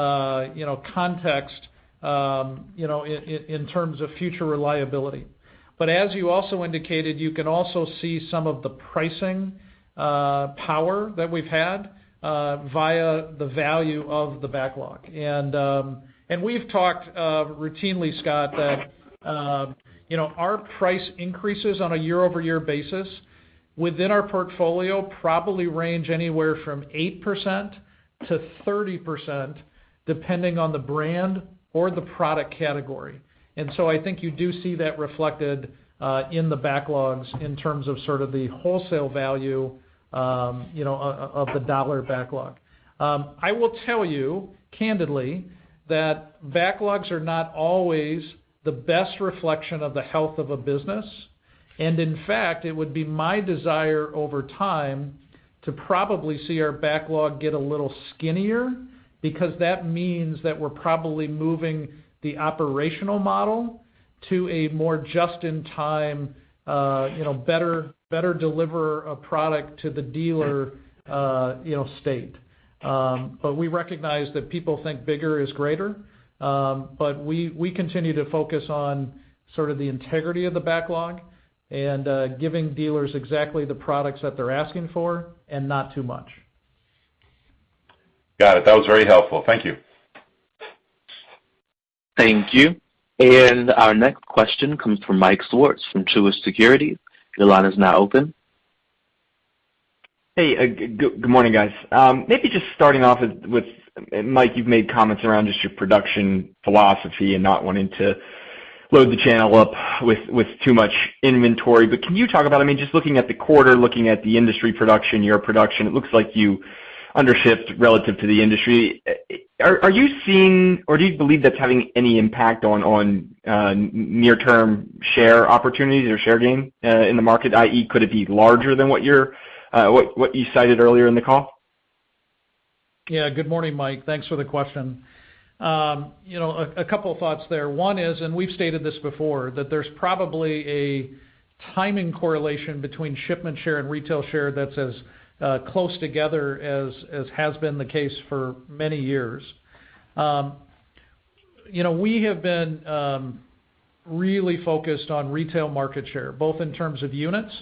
know, context, you know, in terms of future reliability. As you also indicated, you can also see some of the pricing power that we've had via the value of the backlog. We've talked routinely, Scott, that you know, our price increases on a year-over-year basis within our portfolio probably range anywhere from 8%-30%, depending on the brand or the product category. I think you do see that reflected in the backlogs in terms of sort of the wholesale value you know, of the dollar backlog. I will tell you candidly that backlogs are not always the best reflection of the health of a business. In fact, it would be my desire over time to probably see our backlog get a little skinnier because that means that we're probably moving the operational model to a more just-in-time you know, better deliver a product to the dealer you know, state. But we recognize that people think bigger is greater. We continue to focus on sort of the integrity of the backlog and giving dealers exactly the products that they're asking for and not too much. Got it. That was very helpful. Thank you. Thank you. Our next question comes from Michael Swartz from Truist Securities. Your line is now open. Hey, good morning, guys. Maybe just starting off with Mike, you've made comments around just your production philosophy and not wanting to load the channel up with too much inventory. Can you talk about, I mean, just looking at the quarter, looking at the industry production, your production, it looks like you undershipped relative to the industry. Are you seeing or do you believe that's having any impact on near-term share opportunities or share gain in the market, i.e., could it be larger than what you cited earlier in the call? Yeah. Good morning, Mike. Thanks for the question. You know, a couple of thoughts there. One is, we've stated this before, that there's probably a timing correlation between shipment share and retail share that's as close together as has been the case for many years. You know, we have been really focused on retail market share, both in terms of units,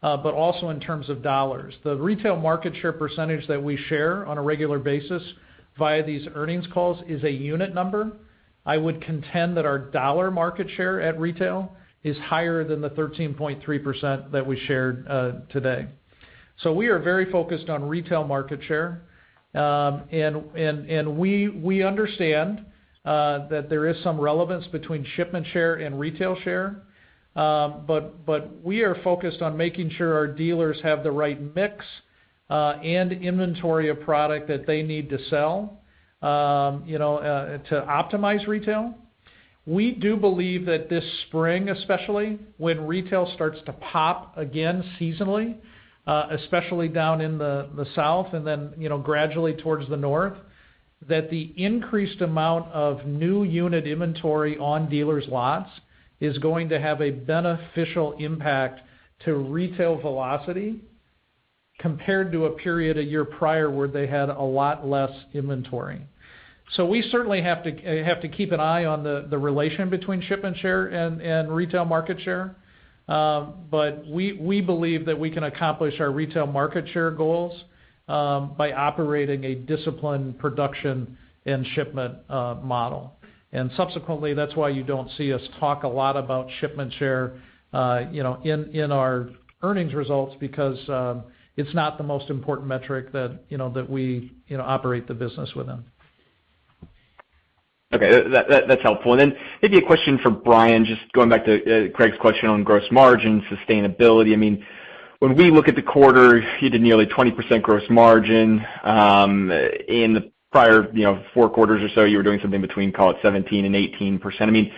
but also in terms of dollars. The retail market share percentage that we share on a regular basis via these earnings calls is a unit number. I would contend that our dollar market share at retail is higher than the 13.3% that we shared today. We are very focused on retail market share. We understand that there is some relevance between shipment share and retail share, but we are focused on making sure our dealers have the right mix and inventory of product that they need to sell, you know, to optimize retail. We do believe that this spring especially, when retail starts to pop again seasonally, especially down in the south and then, you know, gradually towards the north, that the increased amount of new unit inventory on dealers' lots is going to have a beneficial impact to retail velocity compared to a period a year prior where they had a lot less inventory. We certainly have to keep an eye on the relation between shipment share and retail market share. We believe that we can accomplish our retail market share goals by operating a disciplined production and shipment model. Subsequently, that's why you don't see us talk a lot about shipment share, you know, in our earnings results because it's not the most important metric that, you know, that we, you know, operate the business within. That's helpful. Maybe a question for Bryan, just going back to Craig's question on gross margin sustainability. I mean, when we look at the quarter, you did nearly 20% gross margin. In the prior, you know, four quarters or so, you were doing something between, call it 17%-18%. I mean,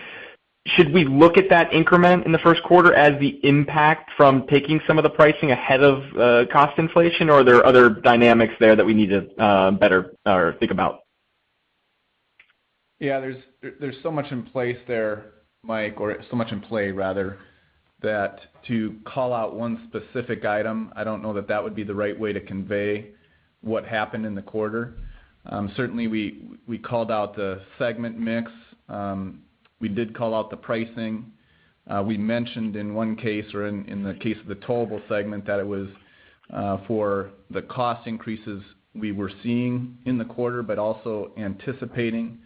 should we look at that increment in the first quarter as the impact from taking some of the pricing ahead of cost inflation, or are there other dynamics there that we need to better think about? Yeah. There's so much in place there, Mike, or so much in play rather, that to call out one specific item, I don't know that that would be the right way to convey what happened in the quarter. Certainly we called out the segment mix. We did call out the pricing. We mentioned in the case of the towable segment that it was for the cost increases we were seeing in the quarter, but also anticipating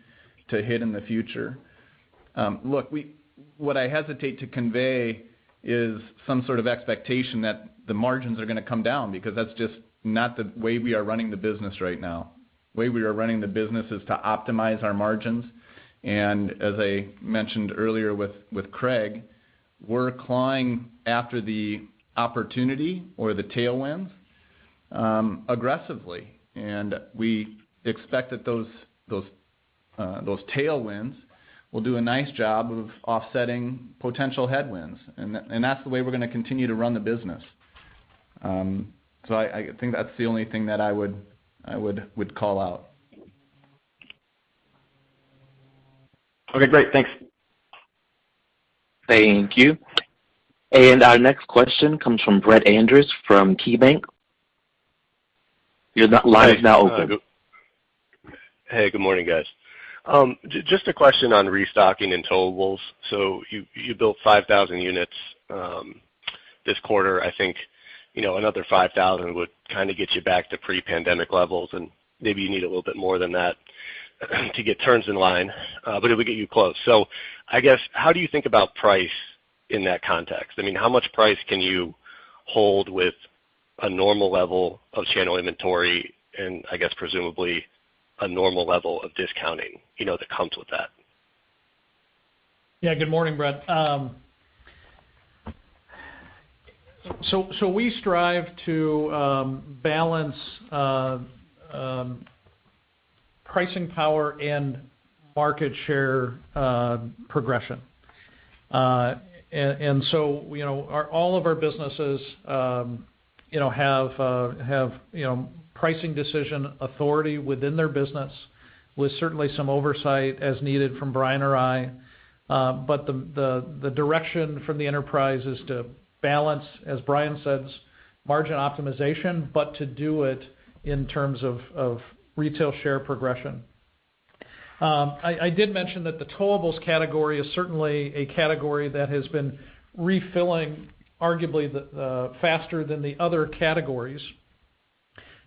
to hit in the future. Look, what I hesitate to convey is some sort of expectation that the margins are gonna come down because that's just not the way we are running the business right now. The way we are running the business is to optimize our margins. As I mentioned earlier with Craig, we're clawing after the opportunity or the tailwind, aggressively. We expect that those tailwinds will do a nice job of offsetting potential headwinds, and that's the way we're gonna continue to run the business. I think that's the only thing that I would call out. Okay, great. Thanks. Thank you. Our next question comes from Brett Andress from KeyBanc. Your line is now open. Hey. Good morning, guys. Just a question on restocking and towables. You built 5,000 units this quarter. I think, you know, another 5,000 would kinda get you back to pre-pandemic levels, and maybe you need a little bit more than that to get turns in line, but it would get you close. How do you think about price in that context? I mean, how much price can you hold with a normal level of channel inventory and I guess presumably a normal level of discounting, you know, that comes with that? Good morning, Brett. We strive to balance pricing power and market share progression. You know, all of our businesses have pricing decision authority within their business with certainly some oversight as needed from Bryan or I. The direction from the enterprise is to balance, as Bryan says, margin optimization, but to do it in terms of retail share progression. I did mention that the towable category is certainly a category that has been refilling arguably the faster than the other categories.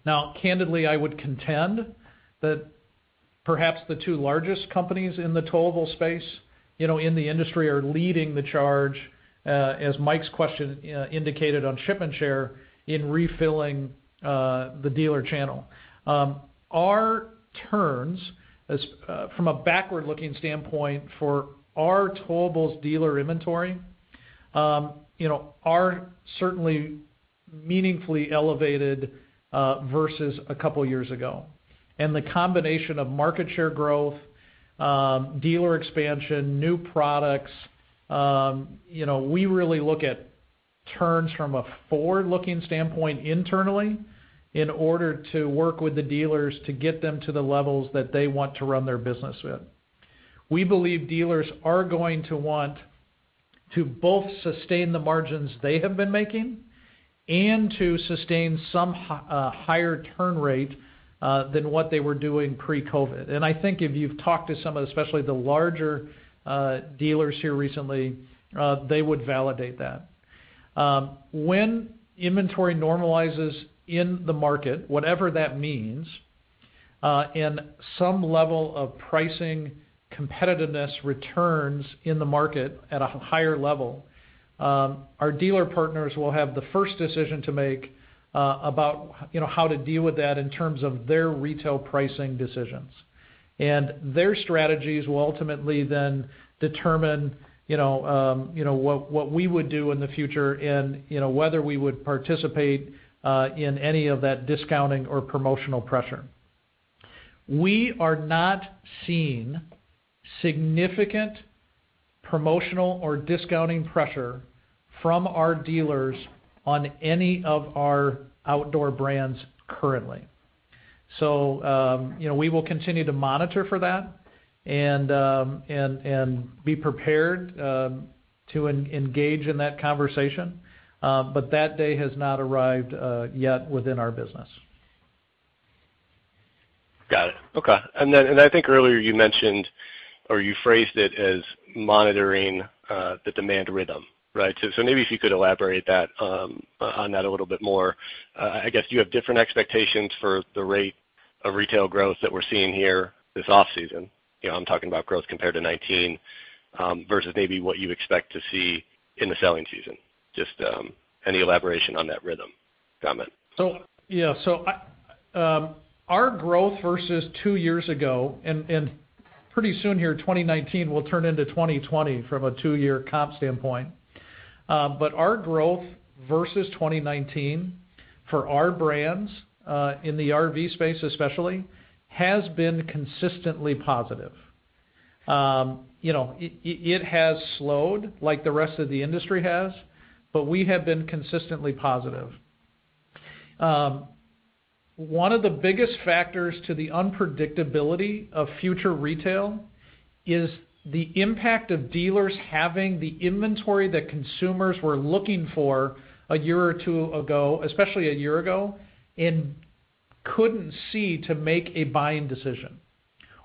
Now, candidly, I would contend that perhaps the two largest companies in the towable space, you know, in the industry are leading the charge, as Mike's question indicated on shipment share in refilling the dealer channel. Our turns from a backward-looking standpoint for our towables dealer inventory, you know, are certainly meaningfully elevated versus a couple years ago. The combination of market share growth, dealer expansion, new products, you know, we really look at turns from a forward-looking standpoint internally in order to work with the dealers to get them to the levels that they want to run their business with. We believe dealers are going to want to both sustain the margins they have been making and to sustain some higher turn rate than what they were doing pre-COVID. I think if you've talked to some, especially the larger dealers here recently, they would validate that. When inventory normalizes in the market, whatever that means, and some level of pricing competitiveness returns in the market at a higher level. Our dealer partners will have the first decision to make, about, you know, how to deal with that in terms of their retail pricing decisions. Their strategies will ultimately then determine, you know, you know, what we would do in the future and, you know, whether we would participate, in any of that discounting or promotional pressure. We are not seeing significant promotional or discounting pressure from our dealers on any of our outdoor brands currently. You know, we will continue to monitor for that and be prepared, to engage in that conversation. That day has not arrived, yet within our business. I think earlier you mentioned or you phrased it as monitoring the demand rhythm, right? So maybe if you could elaborate on that a little bit more. I guess you have different expectations for the rate of retail growth that we're seeing here this off-season. You know, I'm talking about growth compared to 2019 versus maybe what you expect to see in the selling season. Just any elaboration on that rhythm comment. Yeah. Our growth versus two years ago, and pretty soon here, 2019 will turn into 2020 from a two year comp standpoint. Our growth versus 2019 for our brands in the RV space especially has been consistently positive. You know, it has slowed like the rest of the industry has, but we have been consistently positive. One of the biggest factors to the unpredictability of future retail is the impact of dealers having the inventory that consumers were looking for a year or two years ago, especially a year ago, and couldn't see to make a buying decision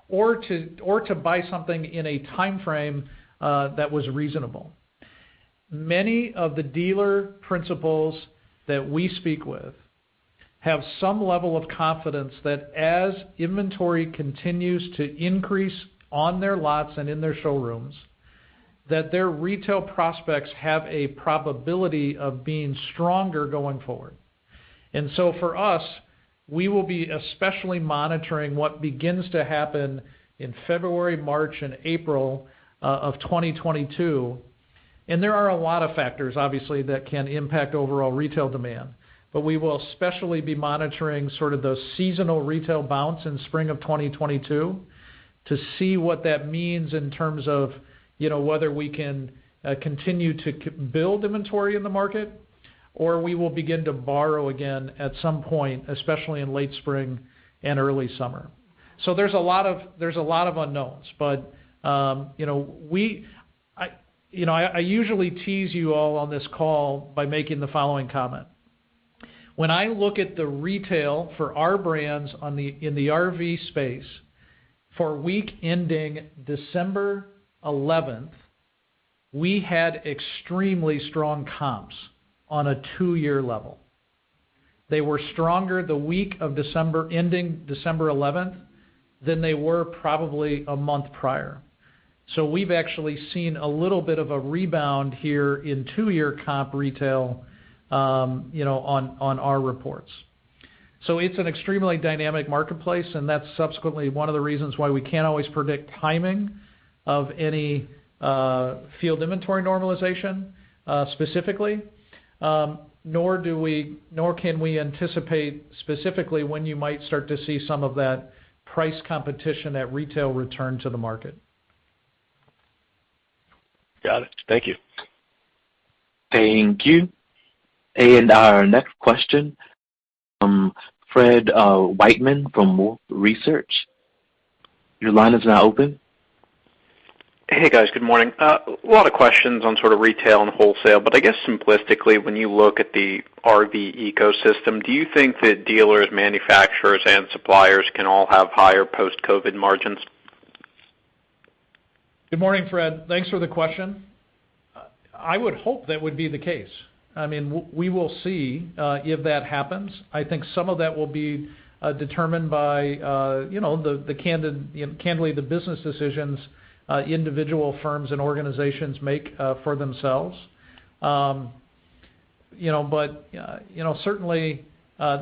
or to buy something in a timeframe that was reasonable. Many of the dealer principals that we speak with have some level of confidence that as inventory continues to increase on their lots and in their showrooms, that their retail prospects have a probability of being stronger going forward. For us, we will be especially monitoring what begins to happen in February, March, and April of 2022. There are a lot of factors, obviously, that can impact overall retail demand. We will especially be monitoring sort of the seasonal retail bounce in spring of 2022 to see what that means in terms of, you know, whether we can continue to build inventory in the market or we will begin to borrow again at some point, especially in late spring and early summer. There's a lot of unknowns. You know, I usually tease you all on this call by making the following comment. When I look at the retail for our brands in the RV space for week ending December 11th, we had extremely strong comps on a two year level. They were stronger the week ending December 11th than they were probably a month prior. We've actually seen a little bit of a rebound here in two year comp retail, you know, on our reports. It's an extremely dynamic marketplace, and that's subsequently one of the reasons why we can't always predict timing of any field inventory normalization, specifically. Nor can we anticipate specifically when you might start to see some of that price competition at retail return to the market. Got it. Thank you. Thank you. Our next question from Fred Wightman from Wolfe Research. Your line is now open. Hey, guys. Good morning. A lot of questions on sort of retail and wholesale. I guess simplistically, when you look at the RV ecosystem, do you think that dealers, manufacturers, and suppliers can all have higher post-COVID margins? Good morning, Fred. Thanks for the question. I would hope that would be the case. I mean, we will see if that happens. I think some of that will be determined by, you know, candidly, the business decisions individual firms and organizations make for themselves. You know, certainly,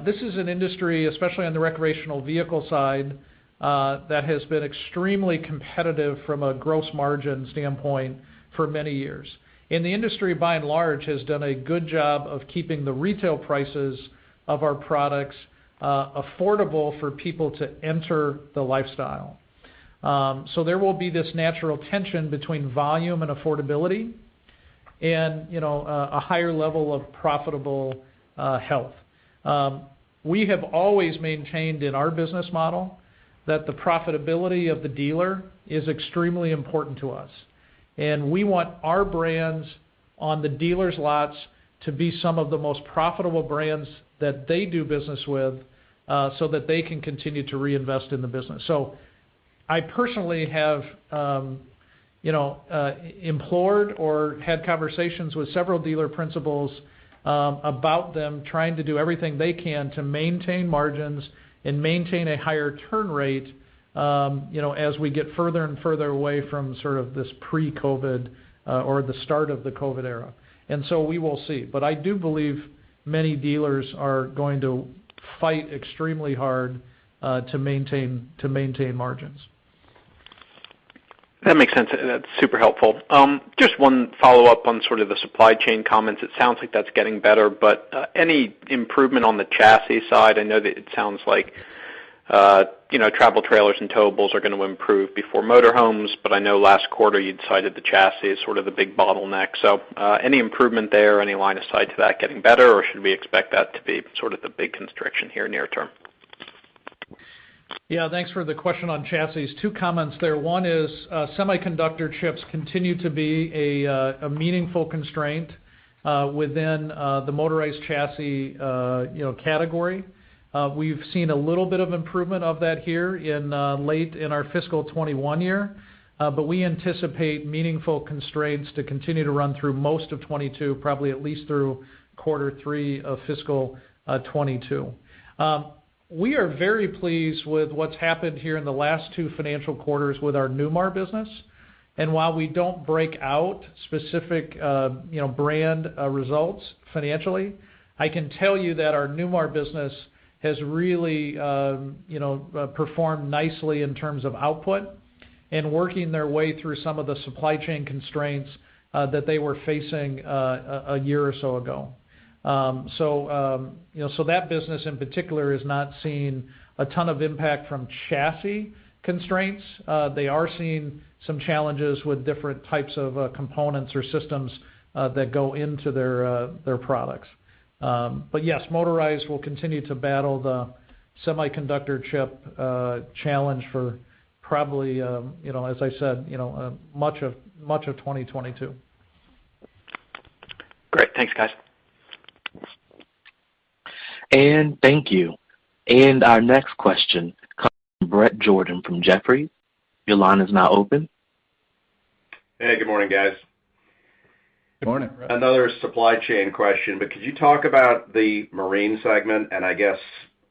this is an industry, especially on the recreational vehicle side, that has been extremely competitive from a gross margin standpoint for many years. The industry, by and large, has done a good job of keeping the retail prices of our products affordable for people to enter the lifestyle. There will be this natural tension between volume and affordability and, you know, a higher level of profitable health. We have always maintained in our business model that the profitability of the dealer is extremely important to us, and we want our brands on the dealers' lots to be some of the most profitable brands that they do business with, so that they can continue to reinvest in the business. I personally have, you know, implored or had conversations with several dealer principals about them trying to do everything they can to maintain margins and maintain a higher turn rate, you know, as we get further and further away from sort of this pre-COVID or the start of the COVID era. We will see. I do believe many dealers are going to fight extremely hard to maintain margins. That makes sense, and that's super helpful. Just one follow-up on sort of the supply chain comments. It sounds like that's getting better, but any improvement on the chassis side? I know that it sounds like you know, travel trailers and towables are gonna improve before motor homes, but I know last quarter you'd cited the chassis as sort of the big bottleneck. So any improvement there? Any line of sight to that getting better, or should we expect that to be sort of the big constriction here near term? Yeah, thanks for the question on chassis. Two comments there. One is, semiconductor chips continue to be a meaningful constraint within the motorized chassis, you know, category. We've seen a little bit of improvement of that here in late in our fiscal 2021 year, but we anticipate meaningful constraints to continue to run through most of 2022, probably at least through quarter three of fiscal 2022. We are very pleased with what's happened here in the last two financial quarters with our Newmar business. While we don't break out specific, you know, brand results financially, I can tell you that our Newmar business has really, you know, performed nicely in terms of output and working their way through some of the supply chain constraints that they were facing a year or so ago. You know, that business in particular has not seen a ton of impact from chassis constraints. They are seeing some challenges with different types of components or systems that go into their products. But yes, motorized will continue to battle the semiconductor chip challenge for probably, you know, as I said, you know, much of 2022. Great. Thanks, guys. Thank you. Our next question comes from Bret Jordan from Jefferies. Your line is now open. Hey, good morning, guys. Good morning, Brett. Another supply chain question, but could you talk about the marine segment and I guess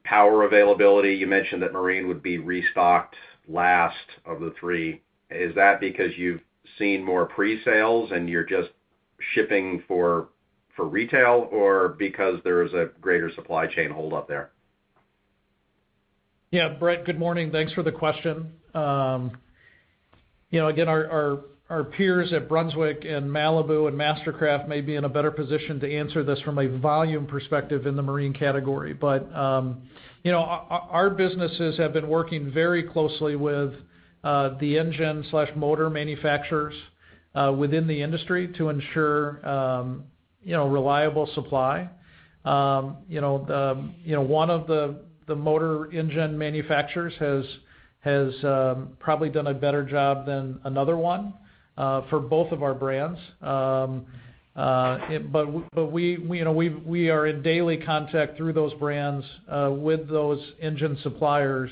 power availability? You mentioned that marine would be restocked last of the three. Is that because you've seen more presales and you're just shipping for retail or because there is a greater supply chain hold up there? Yeah. Brett, good morning. Thanks for the question. You know, again, our peers at Brunswick and Malibu and MasterCraft may be in a better position to answer this from a volume perspective in the marine category. Our businesses have been working very closely with the engine motor manufacturers within the industry to ensure reliable supply. You know, one of the motor engine manufacturers has probably done a better job than another one for both of our brands. We you know, are in daily contact through those brands with those engine suppliers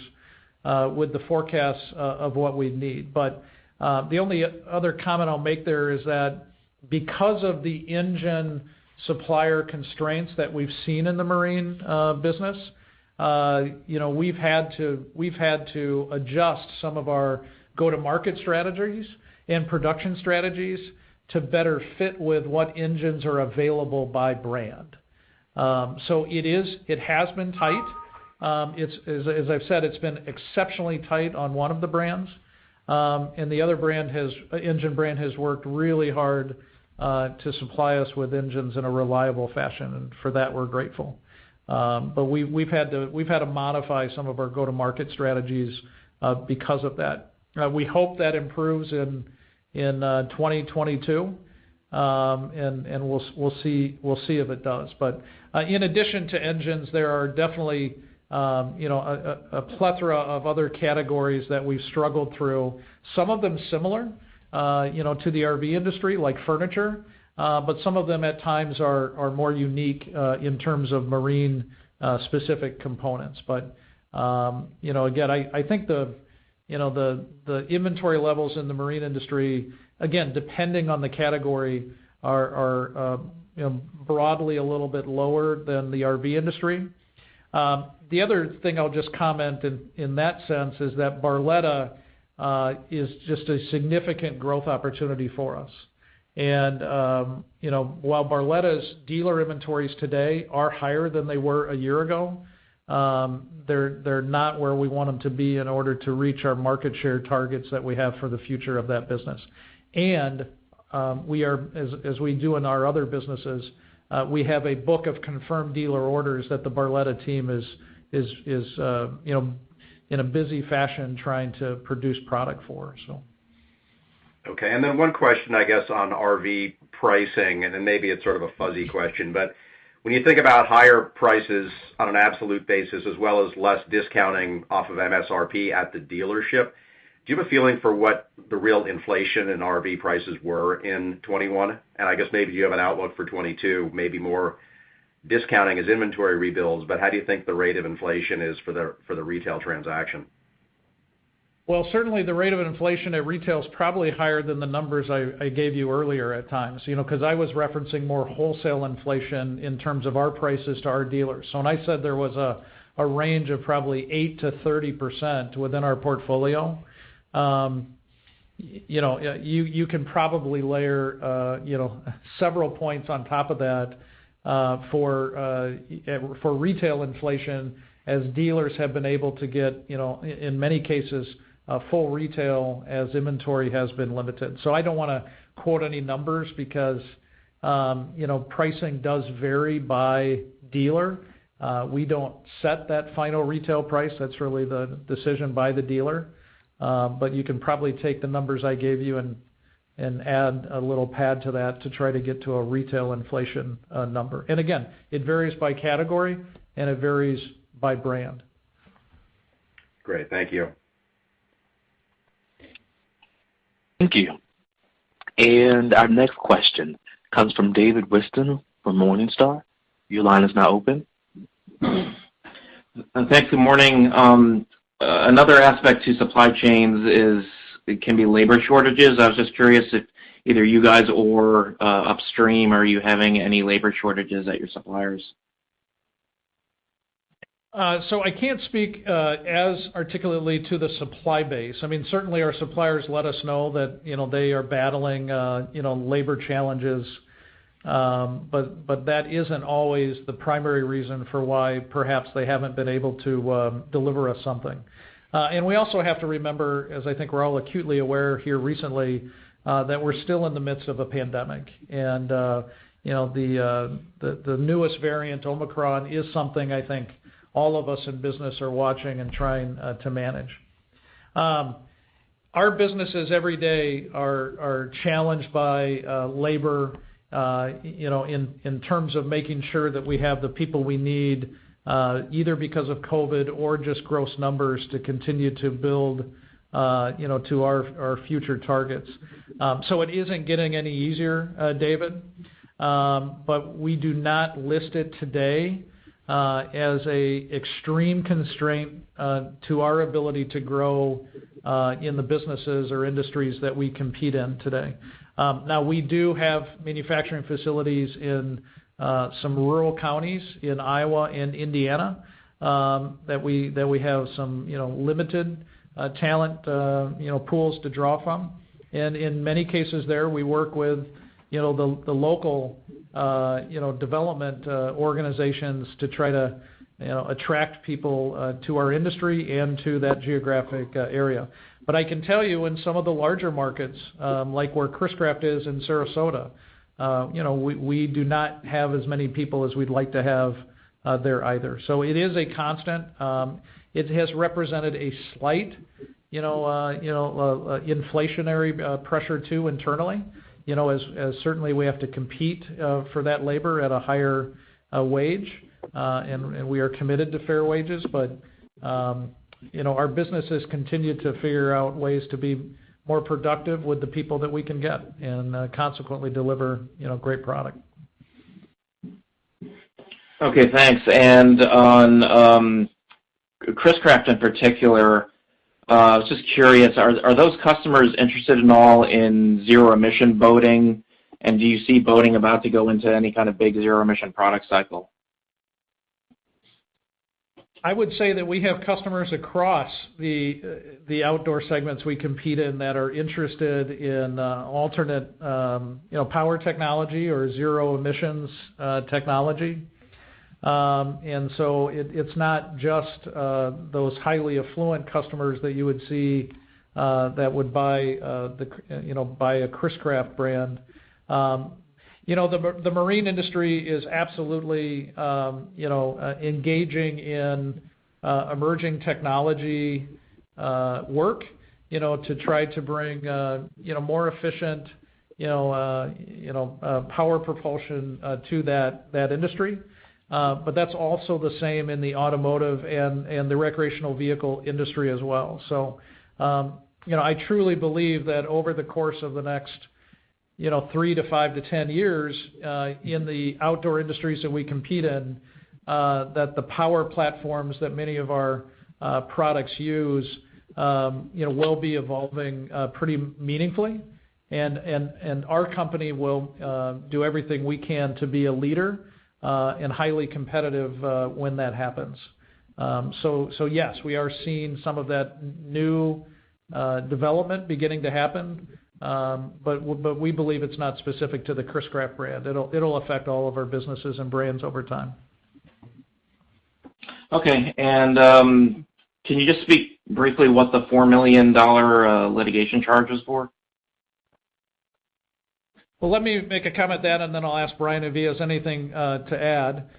with the forecasts of what we need. The only other comment I'll make there is that because of the engine supplier constraints that we've seen in the marine business, you know, we've had to adjust some of our go-to-market strategies and production strategies to better fit with what engines are available by brand. It has been tight. As I've said, it's been exceptionally tight on one of the brands. The other engine brand has worked really hard to supply us with engines in a reliable fashion. For that, we're grateful. We've had to modify some of our go-to-market strategies because of that. We hope that improves in 2022. We'll see if it does. In addition to engines, there are definitely, you know, a plethora of other categories that we've struggled through. Some of them are similar, you know, to the RV industry, like furniture, but some of them at times are more unique in terms of marine-specific components. You know, again, I think the inventory levels in the marine industry, again, depending on the category, are broadly a little bit lower than the RV industry. The other thing I'll just comment in that sense is that Barletta is just a significant growth opportunity for us. You know, while Barletta's dealer inventories today are higher than they were a year ago, they're not where we want them to be in order to reach our market share targets that we have for the future of that business. We are, as we do in our other businesses, we have a book of confirmed dealer orders that the Barletta team is you know, in a busy fashion trying to produce product for. Okay. One question, I guess, on RV pricing, and then maybe it's sort of a fuzzy question. When you think about higher prices on an absolute basis as well as less discounting off of MSRP at the dealership, do you have a feeling for what the real inflation in RV prices were in 2021? I guess maybe you have an outlook for 2022, maybe more discounting as inventory rebuilds, but how do you think the rate of inflation is for the retail transaction? Well, certainly the rate of inflation at retail is probably higher than the numbers I gave you earlier at times, you know? 'Cause I was referencing more wholesale inflation in terms of our prices to our dealers. When I said there was a range of probably 8%-30% within our portfolio, you know, you can probably layer, you know, several points on top of that, for retail inflation as dealers have been able to get, you know, in many cases, full retail as inventory has been limited. I don't wanna quote any numbers because, you know, pricing does vary by dealer. We don't set that final retail price. That's really the decision by the dealer. you can probably take the numbers I gave you and add a little pad to that to try to get to a retail inflation number. Again, it varies by category, and it varies by brand. Great. Thank you. Thank you. Our next question comes from David Whiston from Morningstar. Your line is now open. Thanks. Good morning. Another aspect to supply chains is it can be labor shortages. I was just curious if either you guys or, upstream, are you having any labor shortages at your suppliers? I can't speak as articulately to the supply base. I mean, certainly our suppliers let us know that, you know, they are battling, you know, labor challenges. But that isn't always the primary reason for why perhaps they haven't been able to deliver us something. We also have to remember, as I think we're all acutely aware here recently, that we're still in the midst of a pandemic. You know, the newest variant, Omicron, is something I think all of us in business are watching and trying to manage. Our businesses every day are challenged by labor, you know, in terms of making sure that we have the people we need, either because of COVID or just gross numbers to continue to build, you know, to our future targets. It isn't getting any easier, David. We do not list it today as an extreme constraint to our ability to grow in the businesses or industries that we compete in today. We do have manufacturing facilities in some rural counties in Iowa and Indiana that we have some you know limited talent you know pools to draw from. In many cases there, we work with, you know, the local, you know, development organizations to try to, you know, attract people to our industry and to that geographic area. I can tell you in some of the larger markets, like where Chris-Craft is in Sarasota, you know, we do not have as many people as we'd like to have there either. It is a constant. It has represented a slight, you know, inflationary pressure too internally. You know, as certainly we have to compete for that labor at a higher wage. We are committed to fair wages, but you know, our businesses continue to figure out ways to be more productive with the people that we can get and consequently deliver, you know, great product. Okay, thanks. On Chris-Craft in particular, I was just curious, are those customers interested at all in zero-emission boating? Do you see boating about to go into any kind of big zero-emission product cycle? I would say that we have customers across the outdoor segments we compete in that are interested in alternate, you know, power technology or zero-emissions technology. It's not just those highly affluent customers that you would see that would buy a Chris-Craft brand. You know, the marine industry is absolutely engaging in emerging technology work to try to bring more efficient power propulsion to that industry. That's also the same in the automotive and the recreational vehicle industry as well. You know, I truly believe that over the course of the next, you know, three to five to 10 years, in the outdoor industries that we compete in, that the power platforms that many of our products use, you know, will be evolving pretty meaningfully. Our company will do everything we can to be a leader and highly competitive when that happens. Yes, we are seeing some of that new development beginning to happen. We believe it's not specific to the Chris-Craft brand. It'll affect all of our businesses and brands over time. Okay. Can you just speak briefly what the $4 million litigation charge was for? Well, let me make a comment, and then I'll ask Bryan if he has anything to add.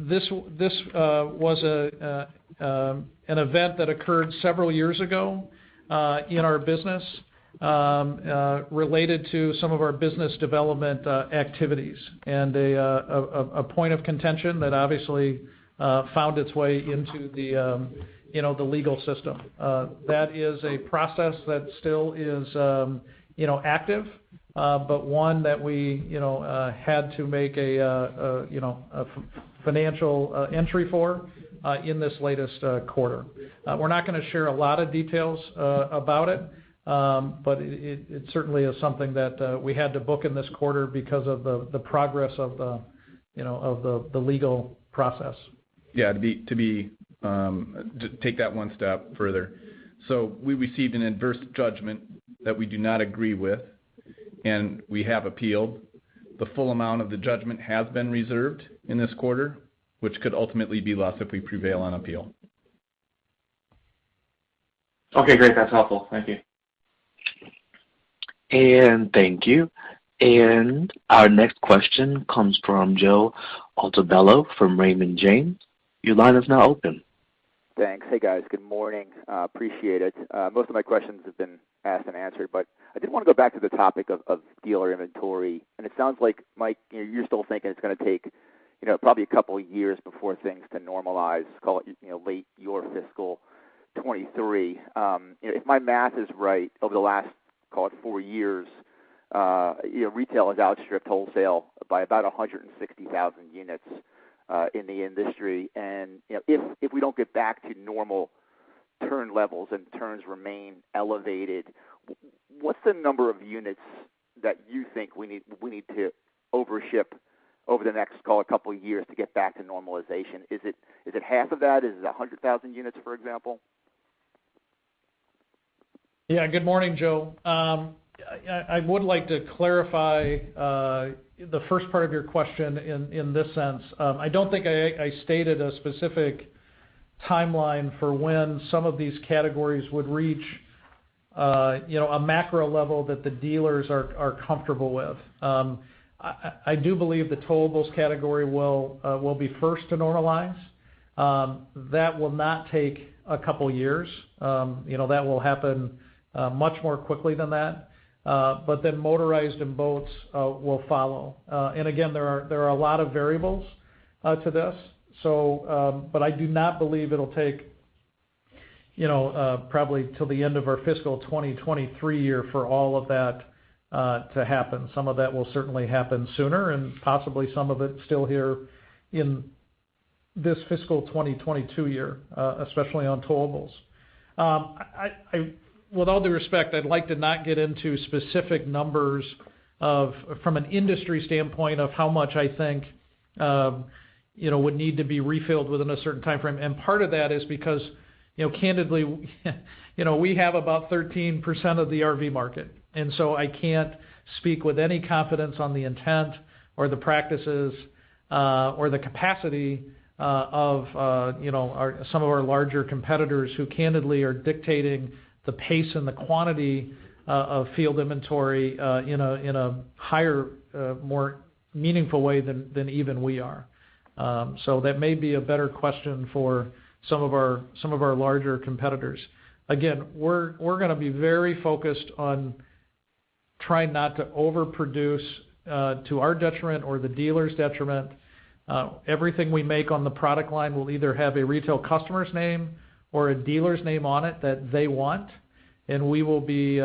This was an event that occurred several years ago in our business related to some of our business development activities, and a point of contention that obviously found its way into you know, the legal system. That is a process that still is you know, active. One that we you know, had to make a you know, a financial entry for in this latest quarter. We're not gonna share a lot of details about it. It certainly is something that we had to book in this quarter because of the progress of you know, of the legal process. Yeah. To take that one step further. We received an adverse judgment that we do not agree with, and we have appealed. The full amount of the judgment has been reserved in this quarter, which could ultimately be less if we prevail on appeal. Okay, great. That's helpful. Thank you. Thank you. Our next question comes from Joe Altobello from Raymond James. Your line is now open. Thanks. Hey, guys. Good morning. Appreciate it. Most of my questions have been asked and answered, but I did wanna go back to the topic of dealer inventory. It sounds like, Mike, you know, you still think it's gonna take, you know, probably a couple of years before things can normalize, call it, you know, late in your fiscal 2023. If my math is right, over the last, call it, four years, you know, retail has outstripped wholesale by about 160,000 units in the industry. You know, if we don't get back to normal turn levels and turns remain elevated, what's the number of units that you think we need to overship over the next, call it, couple of years to get back to normalization? Is it half of that? Is it 100,000 units, for example? Yeah. Good morning, Joe. I would like to clarify the first part of your question in this sense. I don't think I stated a specific timeline for when some of these categories would reach you know a macro level that the dealers are comfortable with. I do believe the towables category will be first to normalize. That will not take a couple years. You know, that will happen much more quickly than that. Motorized and boats will follow. Again, there are a lot of variables to this. But I do not believe it'll take you know probably till the end of our fiscal 2023 year for all of that to happen. Some of that will certainly happen sooner, and possibly some of it still here in this fiscal 2022 year, especially on towables. With all due respect, I'd like to not get into specific numbers of, from an industry standpoint, of how much I think, you know, would need to be refilled within a certain timeframe. Part of that is because, you know, candidly, you know, we have about 13% of the RV market, and so I can't speak with any confidence on the intent or the practices, or the capacity, of, you know, our, some of our larger competitors who candidly are dictating the pace and the quantity, of field inventory, in a higher, more meaningful way than even we are. That may be a better question for some of our larger competitors. Again, we're gonna be very focused on trying not to overproduce to our detriment or the dealers' detriment. Everything we make on the product line will either have a retail customer's name or a dealer's name on it that they want, and we will be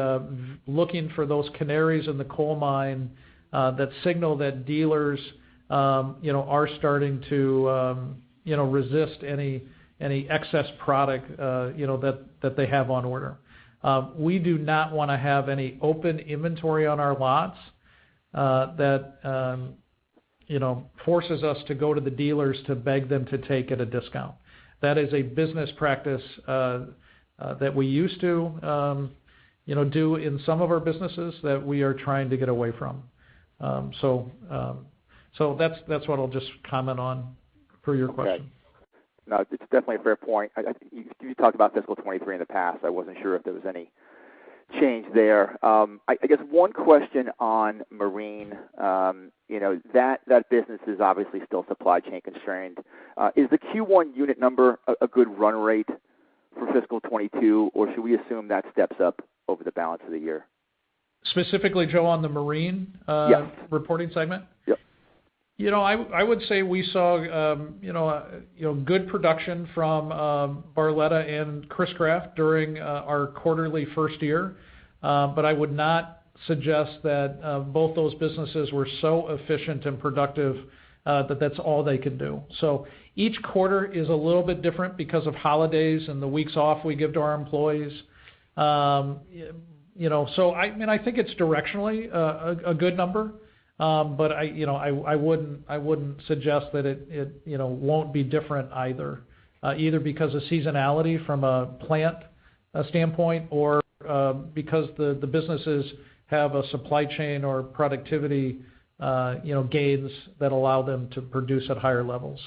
looking for those canaries in the coal mine that signal that dealers, you know, are starting to, you know, resist any excess product, you know, that they have on order. We do not wanna have any open inventory on our lots that, you know, forces us to go to the dealers to beg them to take at a discount. That is a business practice that we used to, you know, do in some of our businesses that we are trying to get away from. That's what I'll just comment on for your question. Okay. No, it's definitely a fair point. You talked about fiscal 2023 in the past. I wasn't sure if there was any change there. I guess one question on marine. You know, that business is obviously still supply chain constrained. Is the Q1 unit number a good run rate for fiscal 2022, or should we assume that steps up over the balance of the year? Specifically, Joe, on the marine- Yeah. reporting segment? Yeah. You know, I would say we saw you know, good production from Barletta and Chris-Craft during our first quarter this year. But I would not suggest that both those businesses were so efficient and productive that that's all they could do. Each quarter is a little bit different because of holidays and the weeks off we give to our employees. You know, I mean, I think it's directionally a good number. But I you know, I wouldn't suggest that it you know, won't be different either because of seasonality from a plant standpoint or because the businesses have a supply chain or productivity you know, gains that allow them to produce at higher levels.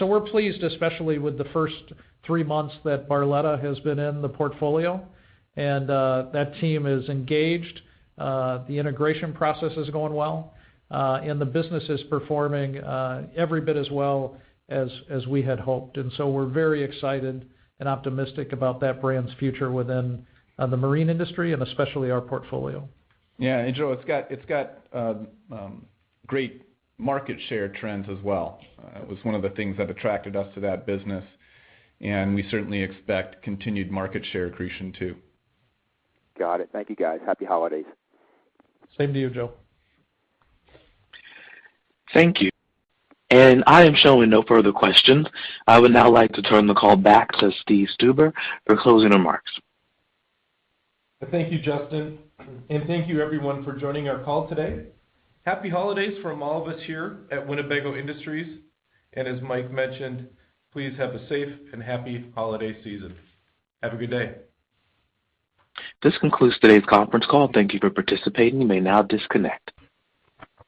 We're pleased, especially with the first three months that Barletta has been in the portfolio. That team is engaged. The integration process is going well, and the business is performing every bit as well as we had hoped. We're very excited and optimistic about that brand's future within the marine industry and especially our portfolio. Yeah. Joe, it's got great market share trends as well. It was one of the things that attracted us to that business, and we certainly expect continued market share accretion too. Got it. Thank you, guys. Happy holidays. Same to you, Joe. Thank you. I am showing no further questions. I would now like to turn the call back to Steve Stuber for closing remarks. Thank you, Justin. Thank you everyone for joining our call today. Happy holidays from all of us here at Winnebago Industries. As Mike mentioned, please have a safe and happy holiday season. Have a good day. This concludes today's conference call. Thank you for participating. You may now disconnect.